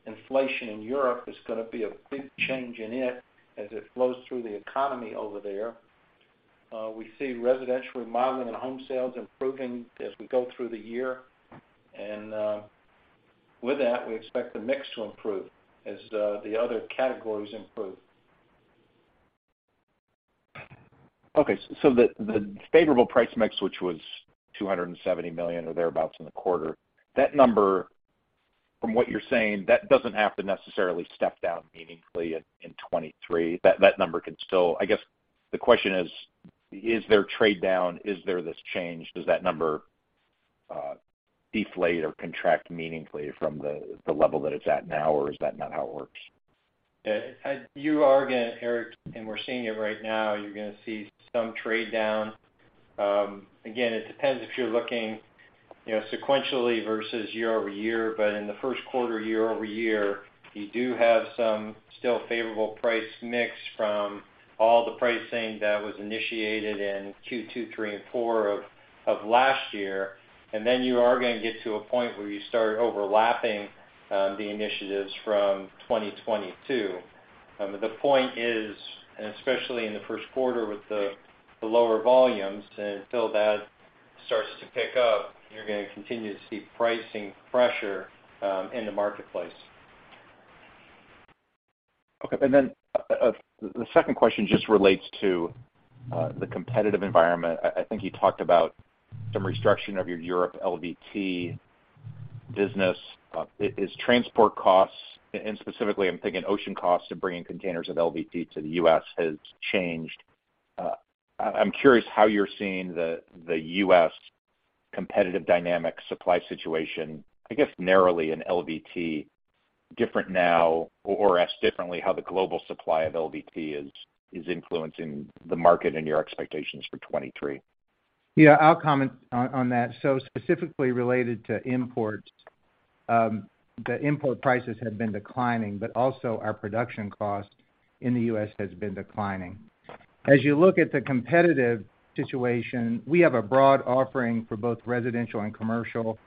inflation in Europe is going to be a big change in it as it flows through the economy over there. We see residential remodeling and home sales improving as we go through the year. With that, we expect the mix to improve as the other categories improve. Okay. The favorable price mix, which was $270 million or thereabouts in the quarter, that number, from what you're saying, that doesn't have to necessarily step down meaningfully in 2023. I guess, the question is there trade down? Is there this change? Does that number deflate or contract meaningfully from the level that it's at now, or is that not how it works? Yeah. You are going to, Eric, and we're seeing it right now, you're going to see some trade down. Again, it depends if you're looking, sequentially versus year-over-year. In the Q1 year-over-year, you do have some still favorable price mix from all the pricing that was initiated in Q2, 3, and 4 of last year. You are going to get to a point where you start overlapping the initiatives from 2022. The point is, and especially in the Q1 with the lower volumes, until that starts to pick up, you're going to continue to see pricing pressure in the marketplace. The second question just relates to the competitive environment. I think you talked about some restructuring of your Europe LVT business. Is transport costs, and specifically I'm thinking ocean costs of bringing containers of LVT to the U.S., has changed? I'm curious how you're seeing the U.S. competitive dynamic supply situation, I guess narrowly in LVT, different now, or asked differently, how the global supply of LVT is influencing the market and your expectations for 2023. I'll comment on that. Specifically related to imports, the import prices have been declining, but also our production cost in the U.S. has been declining. As you look at the competitive situation, we have a broad offering for both residential and commercial.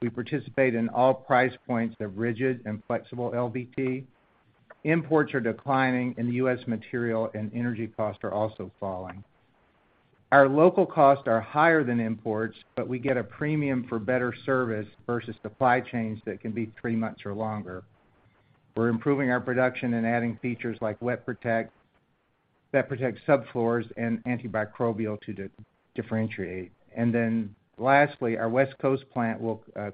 We participate in all price points of rigid and flexible LVT. Imports are declining, and the U.S. material and energy costs are also falling. Our local costs are higher than imports, but we get a premium for better service versus supply chains that can be three months or longer. We're improving our production and adding features like Wet Protect that protects subfloors and antimicrobial to differentiate. Lastly, our West Coast plant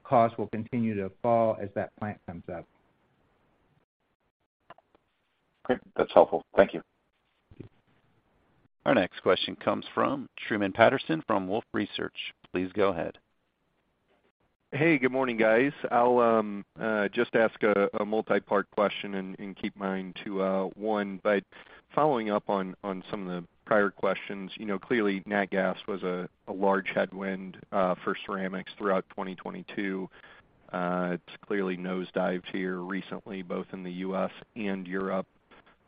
cost will continue to fall as that plant comes up. Great. That's helpful. Thank you. Our next question comes from Truman Patterson from Wolfe Research. Please go ahead. Hey, good morning, guys. I'll just ask a multipart question and keep mine to 1. Following up on some of the prior questions, clearly nat gas was a large headwind for ceramics throughout 2022. It's clearly nosedived here recently, both in the U.S. and Europe.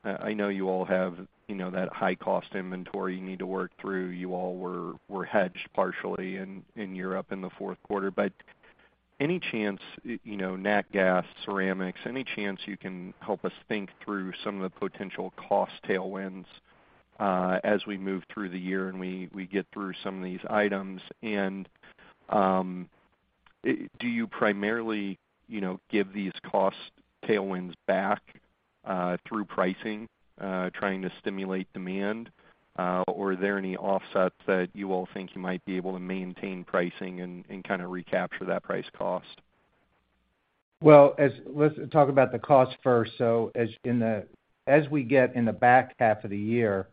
I know you all have, that high-cost inventory you need to work through. You all were hedged partially in Europe in the Q4. Any chance, nat gas, ceramics, any chance you can help us think through some of the potential cost tailwinds as we move through the year and we get through some of these items? Do you primarily, give these cost tailwinds back through pricing, trying to stimulate demand? Are there any offsets that you all think you might be able to maintain pricing and kinda recapture that price cost? Well, let's talk about the cost first. As in the as we get in the back half of the year,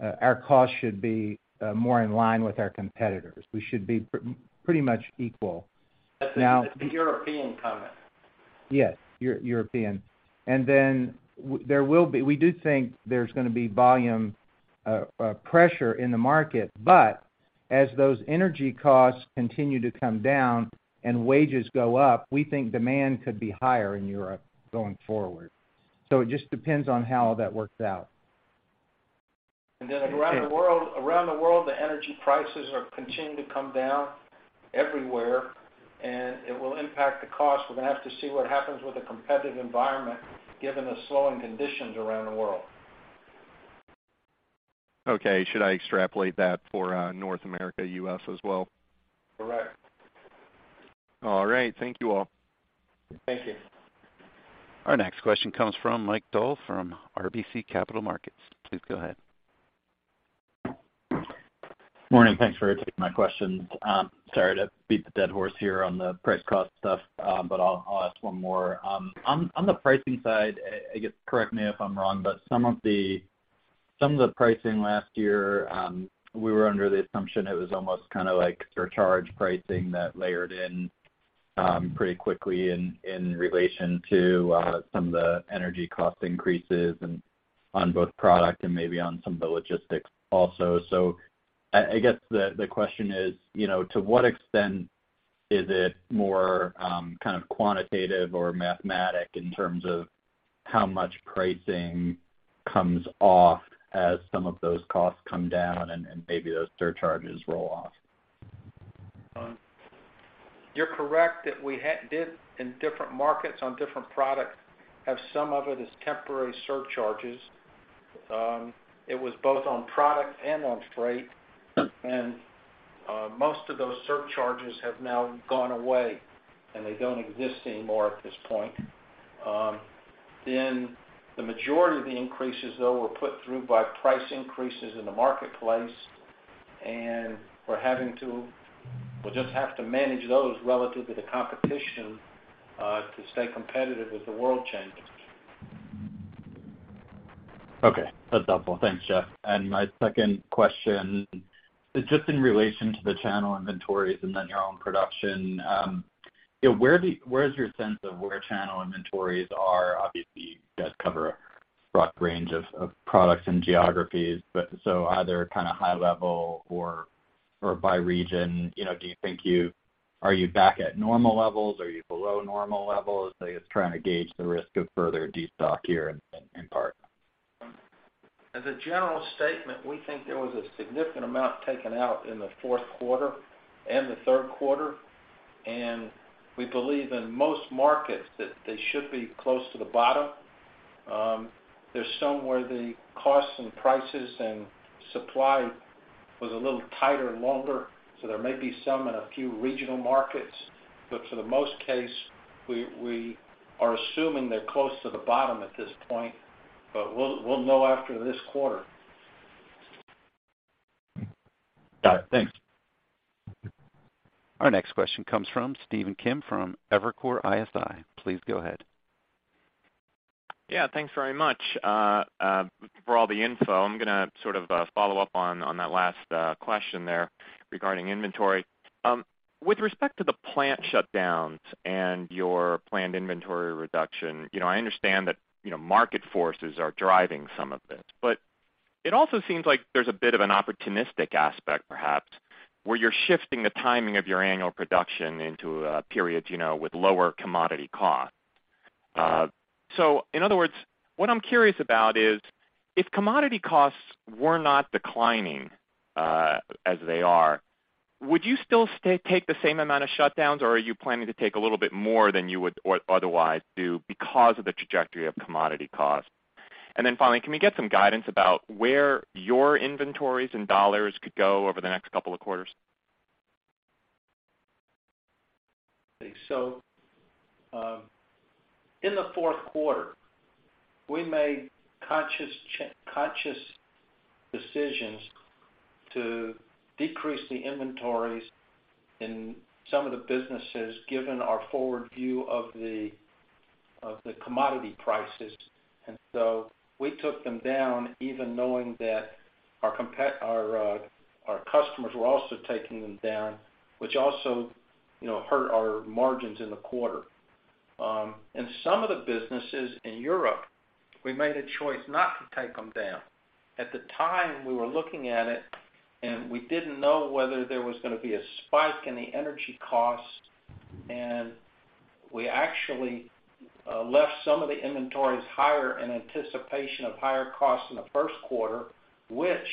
our costs should be more in line with our competitors. We should be pretty much equal. Now. That's the European comment. Yes, European. We do think there's going to be volume pressure in the market, but as those energy costs continue to come down and wages go up, we think demand could be higher in Europe going forward. It just depends on how that works out. Around the world, the energy prices are continuing to come down everywhere, and it will impact the cost. We're going to have to see what happens with the competitive environment given the slowing conditions around the world. Okay. Should I extrapolate that for North America, U.S. as well? Correct. All right. Thank you all. Thank you. Our next question comes from Mike Dahl from RBC Capital Markets. Please go ahead. Morning. Thanks for taking my questions. Sorry to beat the dead horse here on the price cost stuff, but I'll ask one more. On the pricing side, I guess correct me if I'm wrong, but some of the pricing last year, we were under the assumption it was almost kinda like surcharge pricing that layered in pretty quickly in relation to some of the energy cost increases and on both product and maybe on some of the logistics also. I guess the question is to what extent is it more kind of quantitative or mathematic in terms of how much pricing comes off as some of those costs come down and maybe those surcharges roll off? You're correct that we did in different markets on different products have some of it as temporary surcharges. It was both on product and on freight. Mm-hmm. Most of those surcharges have now gone away, and they don't exist anymore at this point. The majority of the increases though were put through by price increases in the marketplace, and we'll just have to manage those relative to the competition to stay competitive as the world changes. That's helpful. Thanks, Jeff. My second question is just in relation to the channel inventories and then your own production. Where is your sense of where channel inventories are? Obviously, you guys cover a broad range of products and geographies, either kind of high level or by region. Do you think are you back at normal levels? Are you below normal levels? I guess trying to gauge the risk of further destock here in part. As a general statement, we think there was a significant amount taken out in the Q4 and the Q3. We believe in most markets that they should be close to the bottom. There's some where the costs and prices and supply was a little tighter and longer, so there may be some in a few regional markets. For the most case, we are assuming they're close to the bottom at this point. We'll know after this quarter. Got it. Thanks. Our next question comes from Stephen Kim from Evercore ISI. Please go ahead. Thanks very much for all the info. I'm going to sort of follow up on that last question there regarding inventory. With respect to the plant shutdowns and your planned inventory reduction, I understand that market forces are driving some of this, but it also seems like there's a bit of an opportunistic aspect perhaps, where you're shifting the timing of your annual production into periods, with lower commodity costs. In other words, what I'm curious about is, if commodity costs were not declining, as they are, would you still take the same amount of shutdowns, or are you planning to take a little bit more than you would or otherwise do because of the trajectory of commodity costs? Finally, can we get some guidance about where your inventories and dollars could go over the next couple of quarters? In the Q4, we made conscious decisions to decrease the inventories in some of the businesses given our forward view of the commodity prices. We took them down even knowing that our customers were also taking them down, which also, hurt our margins in the quarter. In some of the businesses in Europe, we made a choice not to take them down. At the time we were looking at it, and we didn't know whether there was going to be a spike in the energy costs, and we actually left some of the inventories higher in anticipation of higher costs in the Q1, which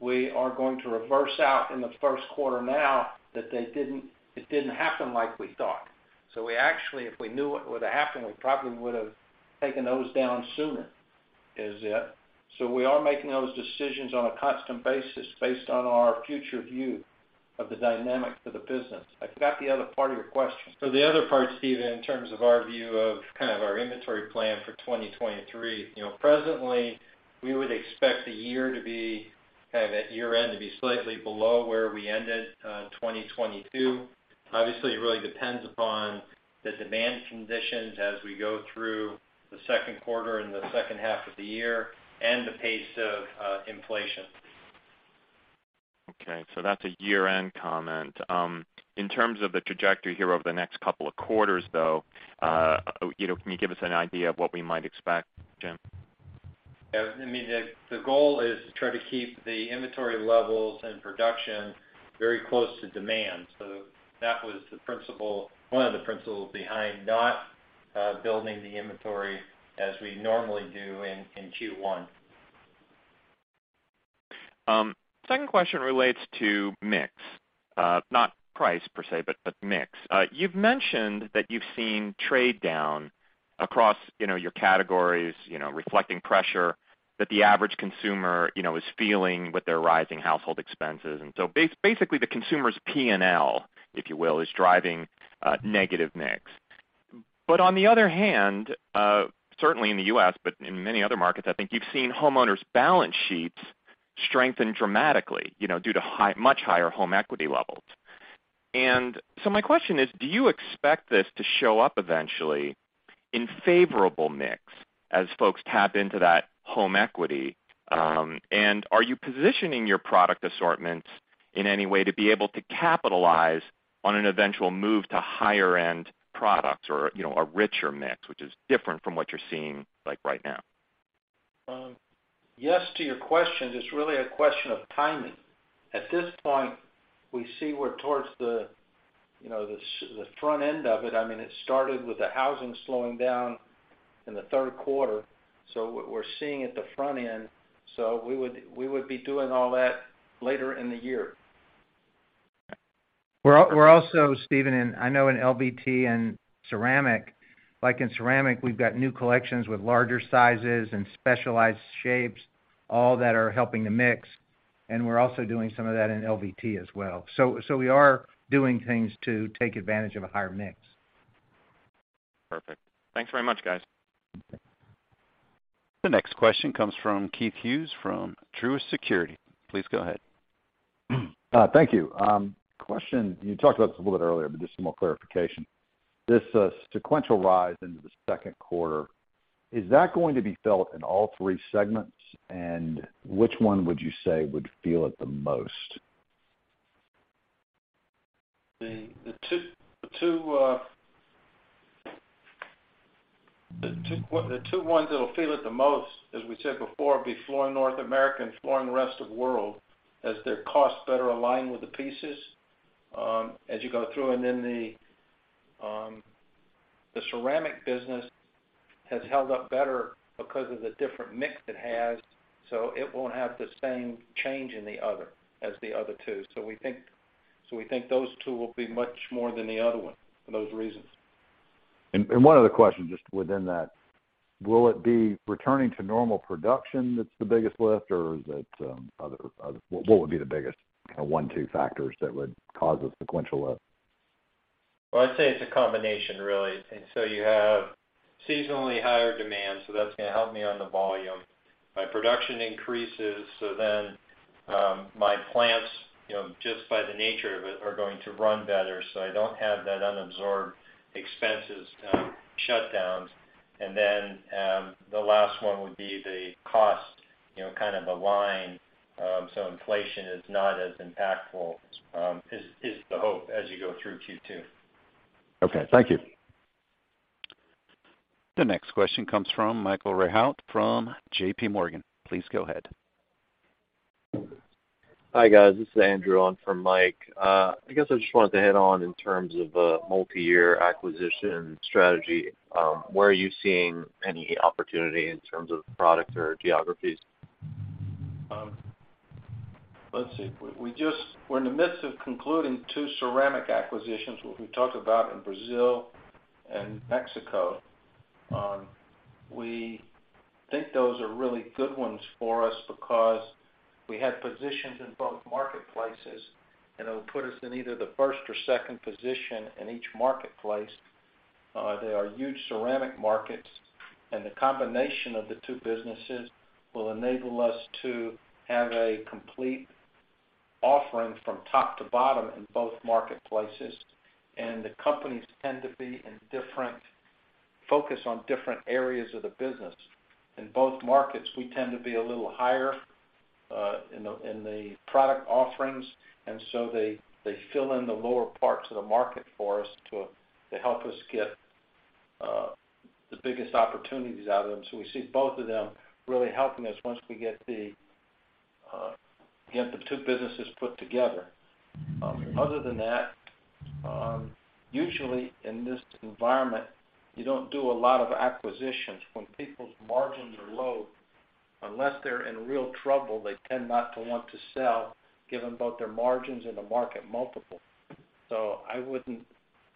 we are going to reverse out in the Q1 now that it didn't happen like we thought. We actually, if we knew it would happen, we probably would have taken those down sooner, is it. We are making those decisions on a constant basis based on our future view of the dynamic for the business. I forgot the other part of your question. The other part, Stephen, in terms of our view of kind of our inventory plan for 2023. Presently, we would expect the year to be kind of at year-end to be slightly below where we ended, 2022. Obviously, it really depends upon the demand conditions as we go through the Q2 and the second half of the year and the pace of inflation. That's a year-end comment. In terms of the trajectory here over the next 2 quarters, though, can you give us an idea of what we might expect, James? Yeah. The goal is to try to keep the inventory levels and production very close to demand. That was the principle, one of the principles behind not building the inventory as we normally do in Q1. Second question relates to mix. Not price per se, but mix. You've mentioned that you've seen trade down across, your categories, reflecting pressure that the average consumer, is feeling with their rising household expenses. Basically the consumer's P&L, if you will, is driving negative mix. On the other hand, certainly in the U.S., but in many other markets, I think you've seen homeowners' balance sheets strengthen dramatically to much higher home equity levels. My question is, do you expect this to show up eventually in favorable mix as folks tap into that home equity? Are you positioning your product assortments in any way to be able to capitalize on an eventual move to higher-end products or, a richer mix, which is different from what you're seeing like right now? Yes to your question. It's really a question of timing. At this point, we see we're towards the, the front end of it. I mean, it started with the housing slowing down in the Q3. What we're seeing at the front end, so we would be doing all that later in the year. We're also, Stephen, in, I know in LVT and ceramic, like in ceramic, we've got new collections with larger sizes and specialized shapes, all that are helping the mix, and we're also doing some of that in LVT as well. We are doing things to take advantage of a higher mix. Perfect. Thanks very much, guys. The next question comes from Keith Hughes from Truist Securities. Please go ahead. Thank you. Question, you talked about this a little bit earlier, but just some more clarification. This sequential rise into the Q2, is that going to be felt in all three segments, and which one would you say would feel it the most? The two ones that'll feel it the most, as we said before, will be Flooring North America and Flooring Rest of World as their costs better align with the pieces, as you go through. The ceramic business has held up better because of the different mix it has, so it won't have the same change in the other, as the other two. We think those two will be much more than the other one for those reasons. One other question just within that. Will it be returning to normal production that's the biggest lift, or is it other? What would be the biggest kind of one, two factors that would cause a sequential lift? I'd say it's a combination, really. You have seasonally higher demand, so that's going to help me on the volume. My production increases, my plants, just by the nature of it, are going to run better, so I don't have that unabsorbed expenses, shutdowns. The last one would be the cost, kind of align, inflation is not as impactful, is the hope as you go through Q2. Okay. Thank you. The next question comes from Michael Rehaut from JP Morgan. Please go ahead. Hi, guys. This is Andrew on for Michael. I guess I just wanted to hit on in terms of a multi-year acquisition strategy, where are you seeing any opportunity in terms of product or geographies? Let's see. We're in the midst of concluding two ceramic acquisitions, which we talked about in Brazil and Mexico. We think those are really good ones for us because we had positions in both marketplaces, and it'll put us in either the first or second position in each marketplace. They are huge ceramic markets, and the combination of the two businesses will enable us to have a complete offering from top to bottom in both marketplaces, and the companies tend to focus on different areas of the business. In both markets, we tend to be a little higher in the product offerings, and so they fill in the lower parts of the market for us to help us get the biggest opportunities out of them. we see both of them really helping us once we get the two businesses put together. Other than that, usually in this environment, you don't do a lot of acquisitions when people's margins are low. Unless they're in real trouble, they tend not to want to sell, given both their margins and the market multiple. I wouldn't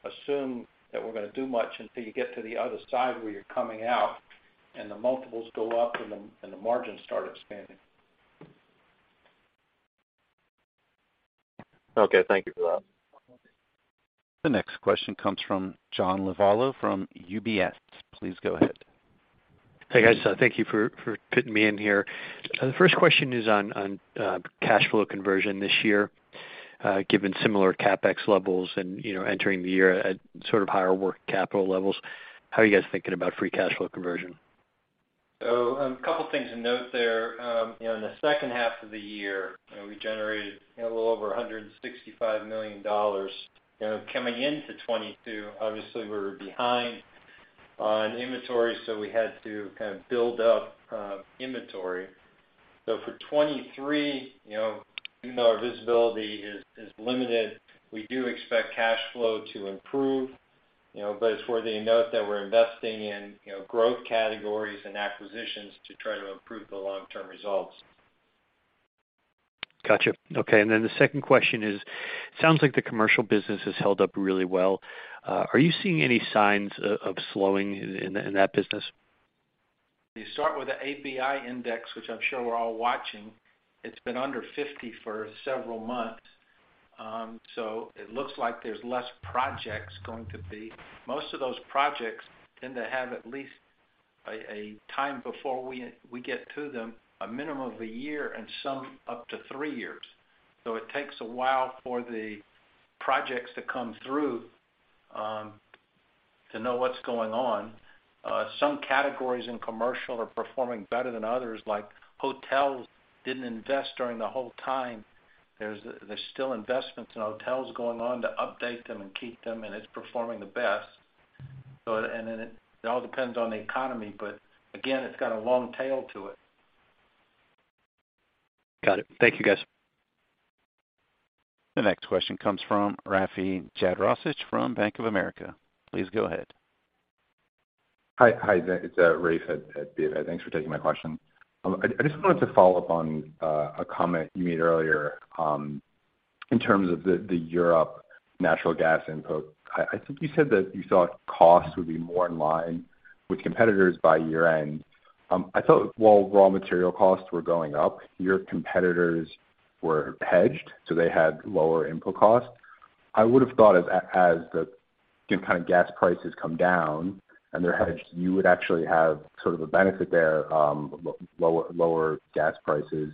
assume that we're going to do much until you get to the other side where you're coming out and the multiples go up and the margins start expanding. Okay. Thank you for that. The next question comes from John Lovallo from UBS. Please go ahead. Hey, guys. Thank you for fitting me in here. The first question is on cash flow conversion this year, given similar CapEx levels and, entering the year at sort of higher work capital levels, how are you guys thinking about free cash flow conversion? A couple things to note there. In the second half of the year, we generated a little over $165 million. Coming into 2022, obviously we were behind on inventory, so we had to kind of build up inventory. For 2023 even though our visibility is limited, we do expect cash flow to improve, but it's worthy to note that we're investing in growth categories and acquisitions to try to improve the long-term results. Got it. Okay. Then the second question is, sounds like the commercial business has held up really well. Are you seeing any signs of slowing in that business? You start with the ABI index, which I'm sure we're all watching. It's been under 50 for several months, so it looks like there's less projects going to be. Most of those projects tend to have at least a time before we get to them, a minimum of a year and some up to three years. It takes a while for the projects to come through to know what's going on. Some categories in commercial are performing better than others, like hotels didn't invest during the whole time. There's still investments in hotels going on to update them and keep them, and it's performing the best. And then it all depends on the economy, but again, it's got a long tail to it. Got it. Thank you, guys. The next question comes from Rafe Jadrosich from Bank of America. Please go ahead. Hi. Hi, it's Rafe at BofA. Thanks for taking my question. I just wanted to follow up on a comment you made earlier in terms of the Europe natural gas input. I think you said that you thought costs would be more in line with competitors by year-end. I thought while raw material costs were going up, your competitors were hedged, so they had lower input costs. I would have thought as the kind of gas prices come down and they're hedged, you would actually have sort of a benefit there, lower gas prices.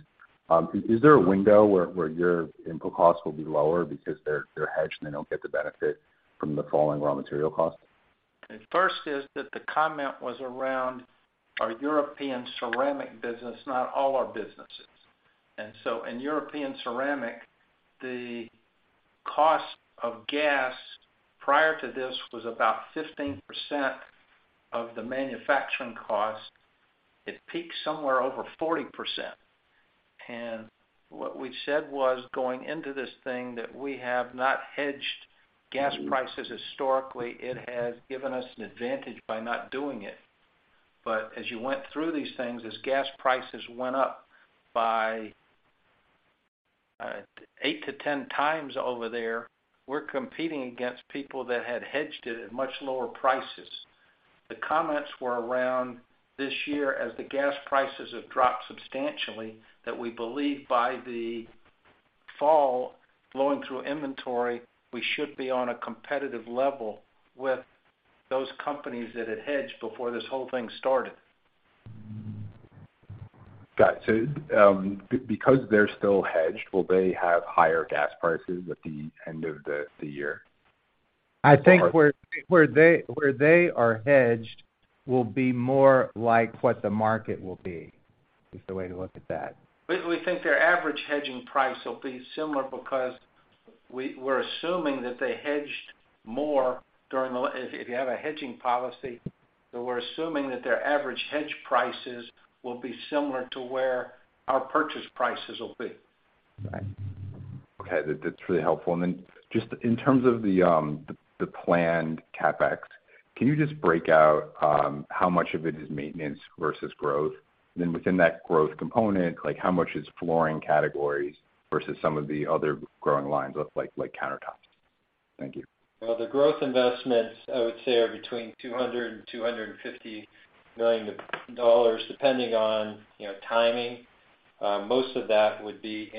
Is there a window where your input costs will be lower because they're hedged and they don't get the benefit from the falling raw material costs? The first is that the comment was around our European ceramic business, not all our businesses. In European ceramic, the cost of gas prior to this was about 15% of the manufacturing cost. It peaked somewhere over 40%. What we said was going into this thing that we have not hedged gas prices historically, it has given us an advantage by not doing it. As you went through these things, as gas prices went up by 8 to 10 times over there, we're competing against people that had hedged it at much lower prices. The comments were around this year as the gas prices have dropped substantially, that we believe by the fall flowing through inventory, we should be on a competitive level with those companies that had hedged before this whole thing started. Got it. Because they're still hedged, will they have higher gas prices at the end of the year? I think where they are hedged will be more like what the market will be, is the way to look at that. We think their average hedging price will be similar because we're assuming that they hedged more during the if you have a hedging policy, then we're assuming that their average hedge prices will be similar to where our purchase prices will be. Right. Okay. That's really helpful. Then just in terms of the planned CapEx, can you just break out, how much of it is maintenance versus growth? Then within that growth component, like how much is flooring categories versus some of the other growing lines like countertops? Thank you. Well, the growth investments, I would say, are between $200 million-$250 million, depending on timing. Most of that would be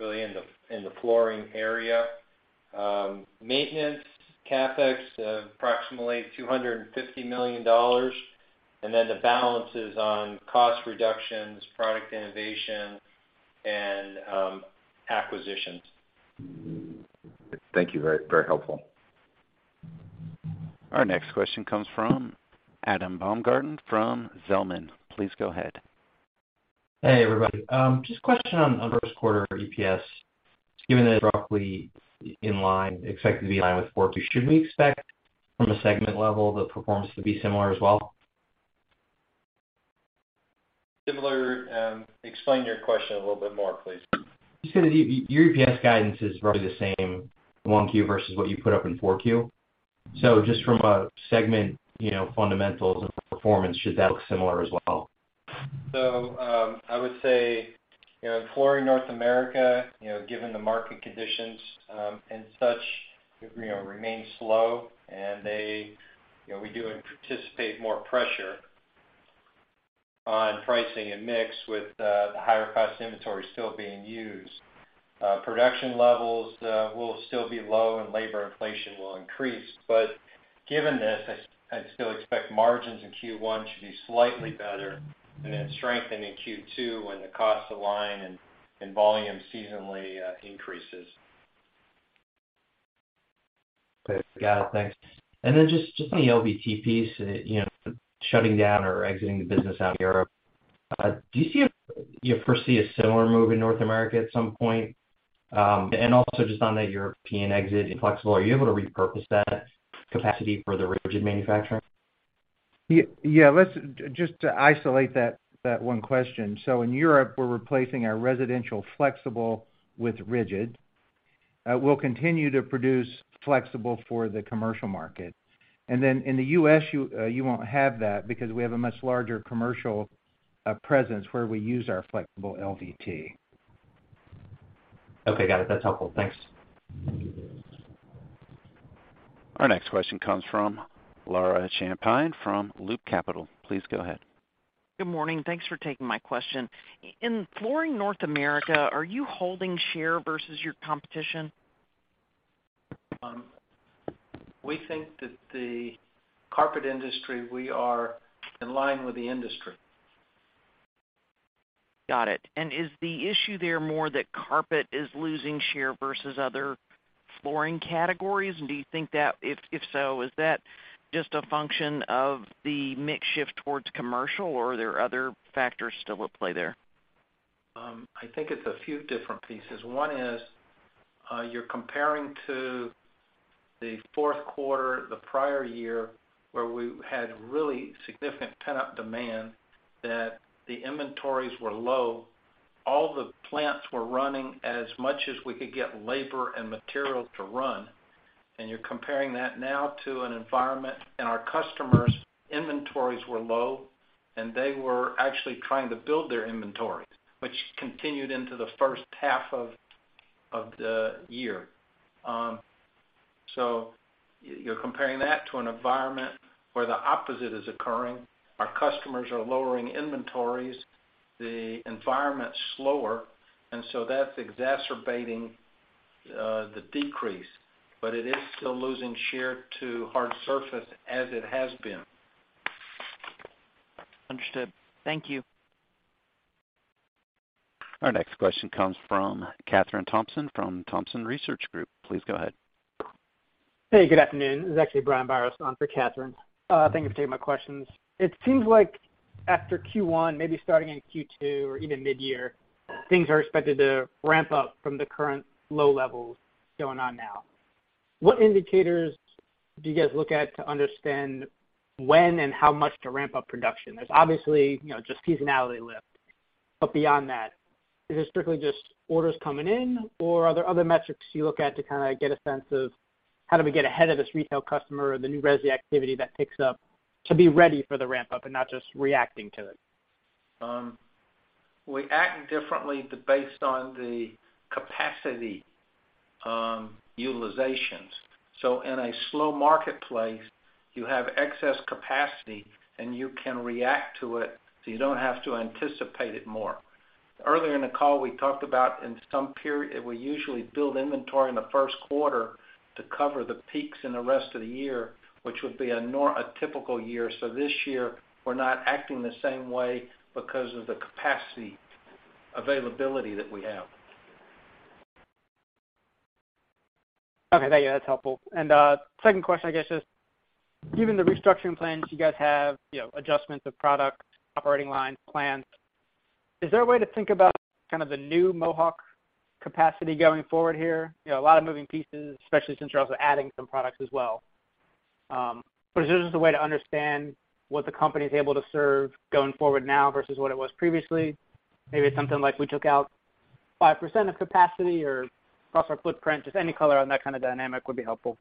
really in the flooring area. Maintenance CapEx, approximately $250 million, and then the balance is on cost reductions, product innovation and acquisitions. Thank you. Very, very helpful. Our next question comes from Adam Baumgarten from Zelman. Please go ahead. Hey, everybody. Just a question on Q1 EPS. Given that it's roughly in line, expected to be in line with 4Q, should we expect from a segment level the performance to be similar as well? Similar. Explain your question a little bit more, please. Just that your EPS guidance is roughly the same 1Q versus what you put up in 4Q. Just from a segment fundamentals and performance, should that look similar as well? I would say, Flooring North America given the market conditions, and such remain slow and they. We do anticipate more pressure on pricing and mix with the higher-cost inventory still being used. Production levels will still be low and labor inflation will increase. Given this, I'd still expect margins in Q1 should be slightly better and then strengthen in Q2 when the costs align and volume seasonally increases. Okay. Got it. Thanks. Just on the LVT piece, shutting down or exiting the business out in Europe, do you foresee a similar move in North America at some point? Just on the European exit in flexible, are you able to repurpose that capacity for the rigid manufacturing? Yeah, let's just isolate that one question. In Europe, we're replacing our residential flexible with rigid. We'll continue to produce flexible for the commercial market. In the US, you won't have that because we have a much larger commercial presence where we use our flexible LVT. Okay, got it. That's helpful. Thanks. Our next question comes from Laura Champine from Loop Capital. Please go ahead. Good morning. Thanks for taking my question. In Flooring North America, are you holding share versus your competition? We think that the carpet industry, we are in line with the industry. Got it. Is the issue there more that carpet is losing share versus other flooring categories? Do you think that, if so, is that just a function of the mix shift towards commercial, or are there other factors still at play there? I think it's a few different pieces. One is, you're comparing to the Q4 the prior year where we had really significant pent-up demand that the inventories were low, all the plants were running as much as we could get labor and material to run. You're comparing that now to an environment, and our customers' inventories were low, and they were actually trying to build their inventories, which continued into the first half of the year. You're comparing that to an environment where the opposite is occurring. Our customers are lowering inventories, the environment's slower, that's exacerbating the decrease. It is still losing share to hard surface as it has been. Understood. Thank you. Our next question comes from Kathryn Thompson from Thompson Research Group. Please go ahead. Hey, good afternoon. This is actually Brian Biros on for Kathryn. Thank you for taking my questions. It seems like after Q1, maybe starting in Q2 or even mid-year, things are expected to ramp up from the current low levels going on now. What indicators do you guys look at to understand when and how much to ramp up production? There's obviously, just seasonality lift. Beyond that, is it strictly just orders coming in, or are there other metrics you look at to kinda get a sense of how do we get ahead of this retail customer or the new resi activity that picks up to be ready for the ramp-up and not just reacting to it? We act differently based on the capacity utilizations. In a slow marketplace, you have excess capacity, and you can react to it, so you don't have to anticipate it more. Earlier in the call, we talked about in some period, we usually build inventory in the Q1 to cover the peaks in the rest of the year, which would be a typical year. This year, we're not acting the same way because of the capacity availability that we have. Okay. That's helpful. Second question, I guess is, given the restructuring plans you guys have adjustments of product, operating lines, plans, is there a way to think about kind of the new Mohawk capacity going forward here? A lot of moving pieces, especially since you're also adding some products as well. Is this just a way to understand what the company is able to serve going forward now versus what it was previously? Maybe it's something like we took out 5% of capacity or across our footprint, just any color on that kind of dynamic would be helpful.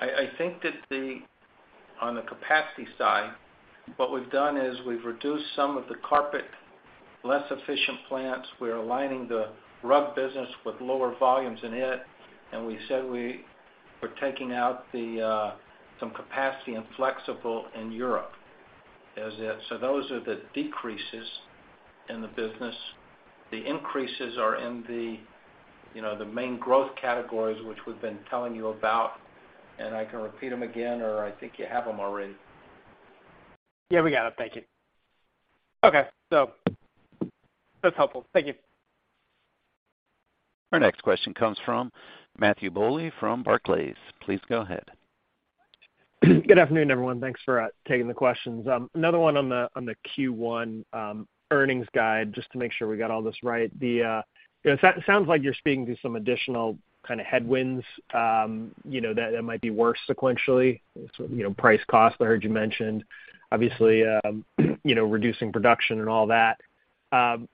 I think that the, on the capacity side, what we've done is we've reduced some of the carpet less efficient plants. We're aligning the rug business with lower volumes in it, and we said we were taking out the some capacity and flexible in Europe as it. Those are the decreases in the business. The increases are in the main growth categories, which we've been telling you about, and I can repeat them again, or I think you have them already. Yeah, we got them. Thank you. Okay. That's helpful. Thank you. Our next question comes from Matthew Bouley from Barclays. Please go ahead. Good afternoon, everyone. Thanks for taking the questions. Another one on the Q1 earnings guide, just to make sure we got all this right. It sounds like you're speaking to some additional kind of headwinds that might be worse sequentially price cost, I heard you mention, obviously reducing production and all that.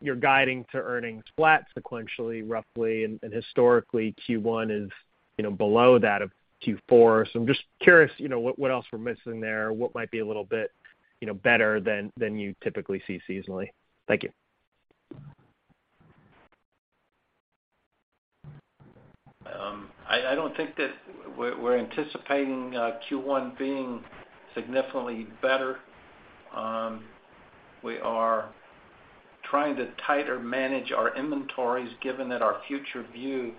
You're guiding to earnings flat sequentially, roughly, and historically, Q1 is below that of Q4. I'm just curious what else we're missing there, what might be a little bit better than you typically see seasonally. Thank you. I don't think that we're anticipating Q1 being significantly better. We are trying to tighter manage our inventories given that our future view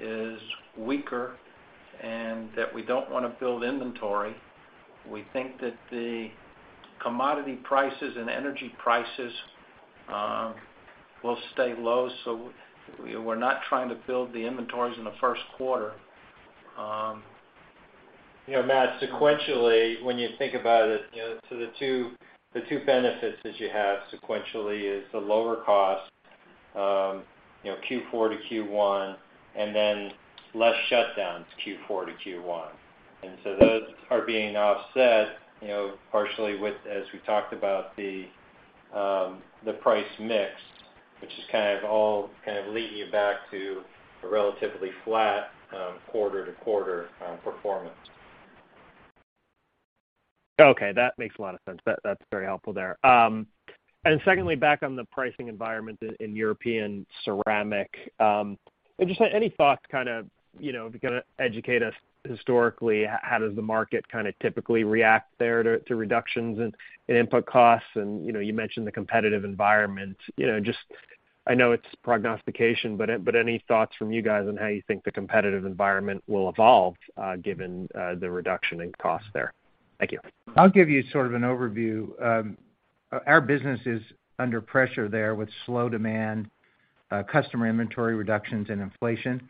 is weaker and that we don't want to build inventory. We think that the commodity prices and energy prices will stay low, so we're not trying to build the inventories in the Q1. Matthew, sequentially, when you think about it the two benefits that you have sequentially is the lower cost Q4 to Q1, then less shutdowns Q4 to Q1. Those are being offset partially with, as we talked about the price mix, which is kind of all leading you back to a relatively flat quarter-to-quarter performance. Okay, that makes a lot of sense. That's very helpful there. Secondly, back on the pricing environment in European ceramic, and just any thoughts to kind of, if you kinda educate us historically, how does the market kinda typically react there to reductions in input costs? You mentioned the competitive environment. Ust I know it's prognostication, but any thoughts from you guys on how you think the competitive environment will evolve given the reduction in costs there? Thank you. I'll give you sort of an overview. Our business is under pressure there with slow demand, customer inventory reductions and inflation.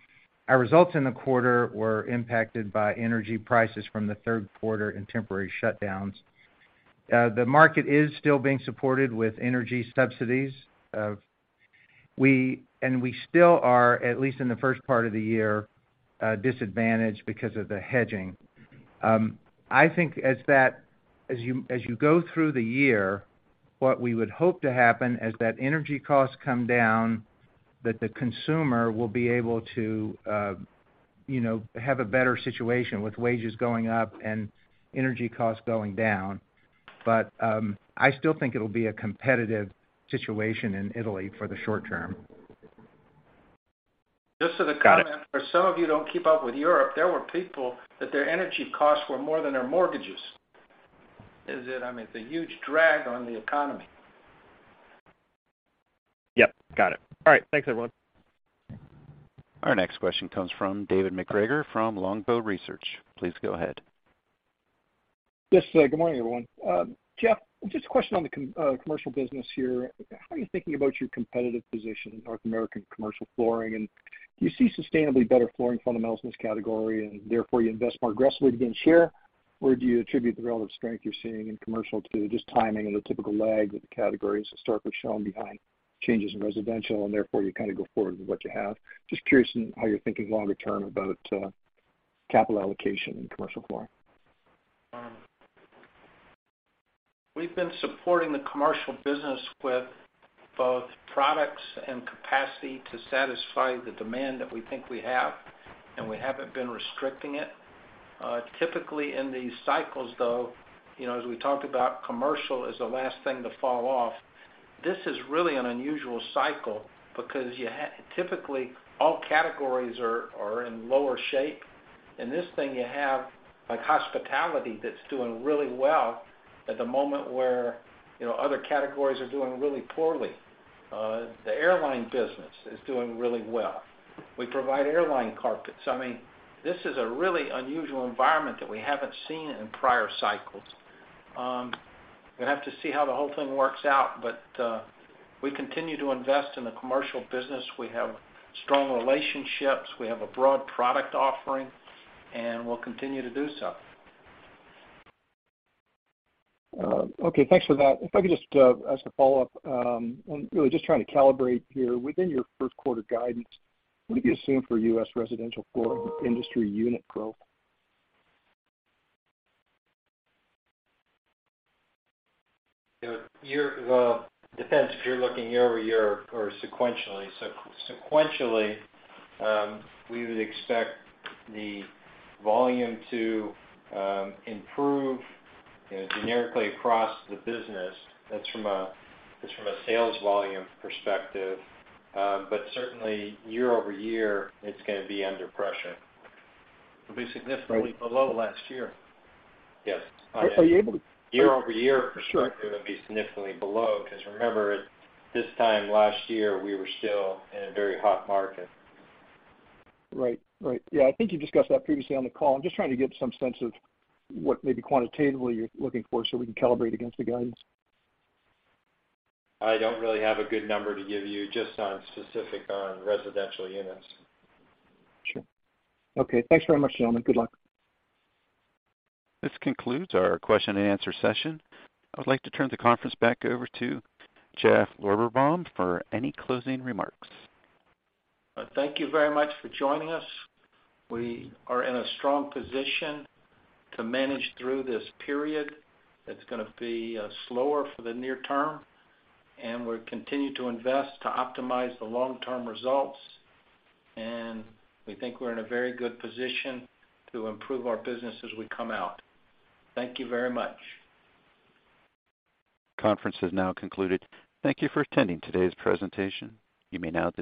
Our results in the quarter were impacted by energy prices from the Q3 and temporary shutdowns. The market is still being supported with energy subsidies, and we still are, at least in the first part of the year, disadvantaged because of the hedging. I think as you go through the year, what we would hope to happen as that energy costs come down, that the consumer will be able to have a better situation with wages going up and energy costs going down. I still think it'll be a competitive situation in Italy for the short term. Got it. The comment, for some of you don't keep up with Europe, there were people that their energy costs were more than their mortgages. I mean, it's a huge drag on the economy. Yes, got it. All right, thanks, everyone. Our next question comes from David MacGregor from Longbow Research. Please go ahead. Yes, good morning, everyone. Jeff, just a question on the commercial business here. How are you thinking about your competitive position in North American commercial flooring, and do you see sustainably better flooring fundamentals in this category and therefore you invest more aggressively to gain share? Or do you attribute the relative strength you're seeing in commercial to just timing and the typical lag that the category has historically shown behind changes in residential and therefore you kinda go forward with what you have? Just curious in how you're thinking longer term about capital allocation in commercial flooring. We've been supporting the commercial business with both products and capacity to satisfy the demand that we think we have, and we haven't been restricting it. Typically in these cycles, though as we talked about commercial as the last thing to fall off. This is really an unusual cycle because typically all categories are in lower shape. In this thing you have like hospitality that's doing really well at the moment where other categories are doing really poorly. The airline business is doing really well. We provide airline carpets. I mean, this is a really unusual environment that we haven't seen in prior cycles. We have to see how the whole thing works out, but we continue to invest in the commercial business. We have strong relationships, we have a broad product offering, and we'll continue to do so. Okay, thanks for that. If I could just ask a follow-up, and really just trying to calibrate here. Within your Q1 guidance, what do you assume for U.S. residential floor industry unit growth? Year, well, depends if you're looking year-over-year or sequentially. Sequentially, we would expect the volume to improve generically across the business. That's from a sales volume perspective. Certainly year-over-year it's going to be under pressure. It'll be significantly below last year. Yes. Are you able to Year-over-year perspective, it'll be significantly below because remember this time last year, we were still in a very hot market. Right. you discussed that previously on the call. I'm just trying to get some sense of what maybe quantitatively you're looking for so we can calibrate against the guidance. I don't really have a good number to give you just on specific on residential units. Sure. Okay. Thanks very much, gentlemen. Good luck. This concludes our question and answer session. I would like to turn the conference back over to Jeff Lorberbaum for any closing remarks. Thank you very much for joining us. We are in a strong position to manage through this period that's going to be slower for the near term, and we continue to invest to optimize the long-term results, and we think we're in a very good position to improve our business as we come out. Thank you very much. Conference is now concluded. Thank you for attending today's presentation. You may now disconnect.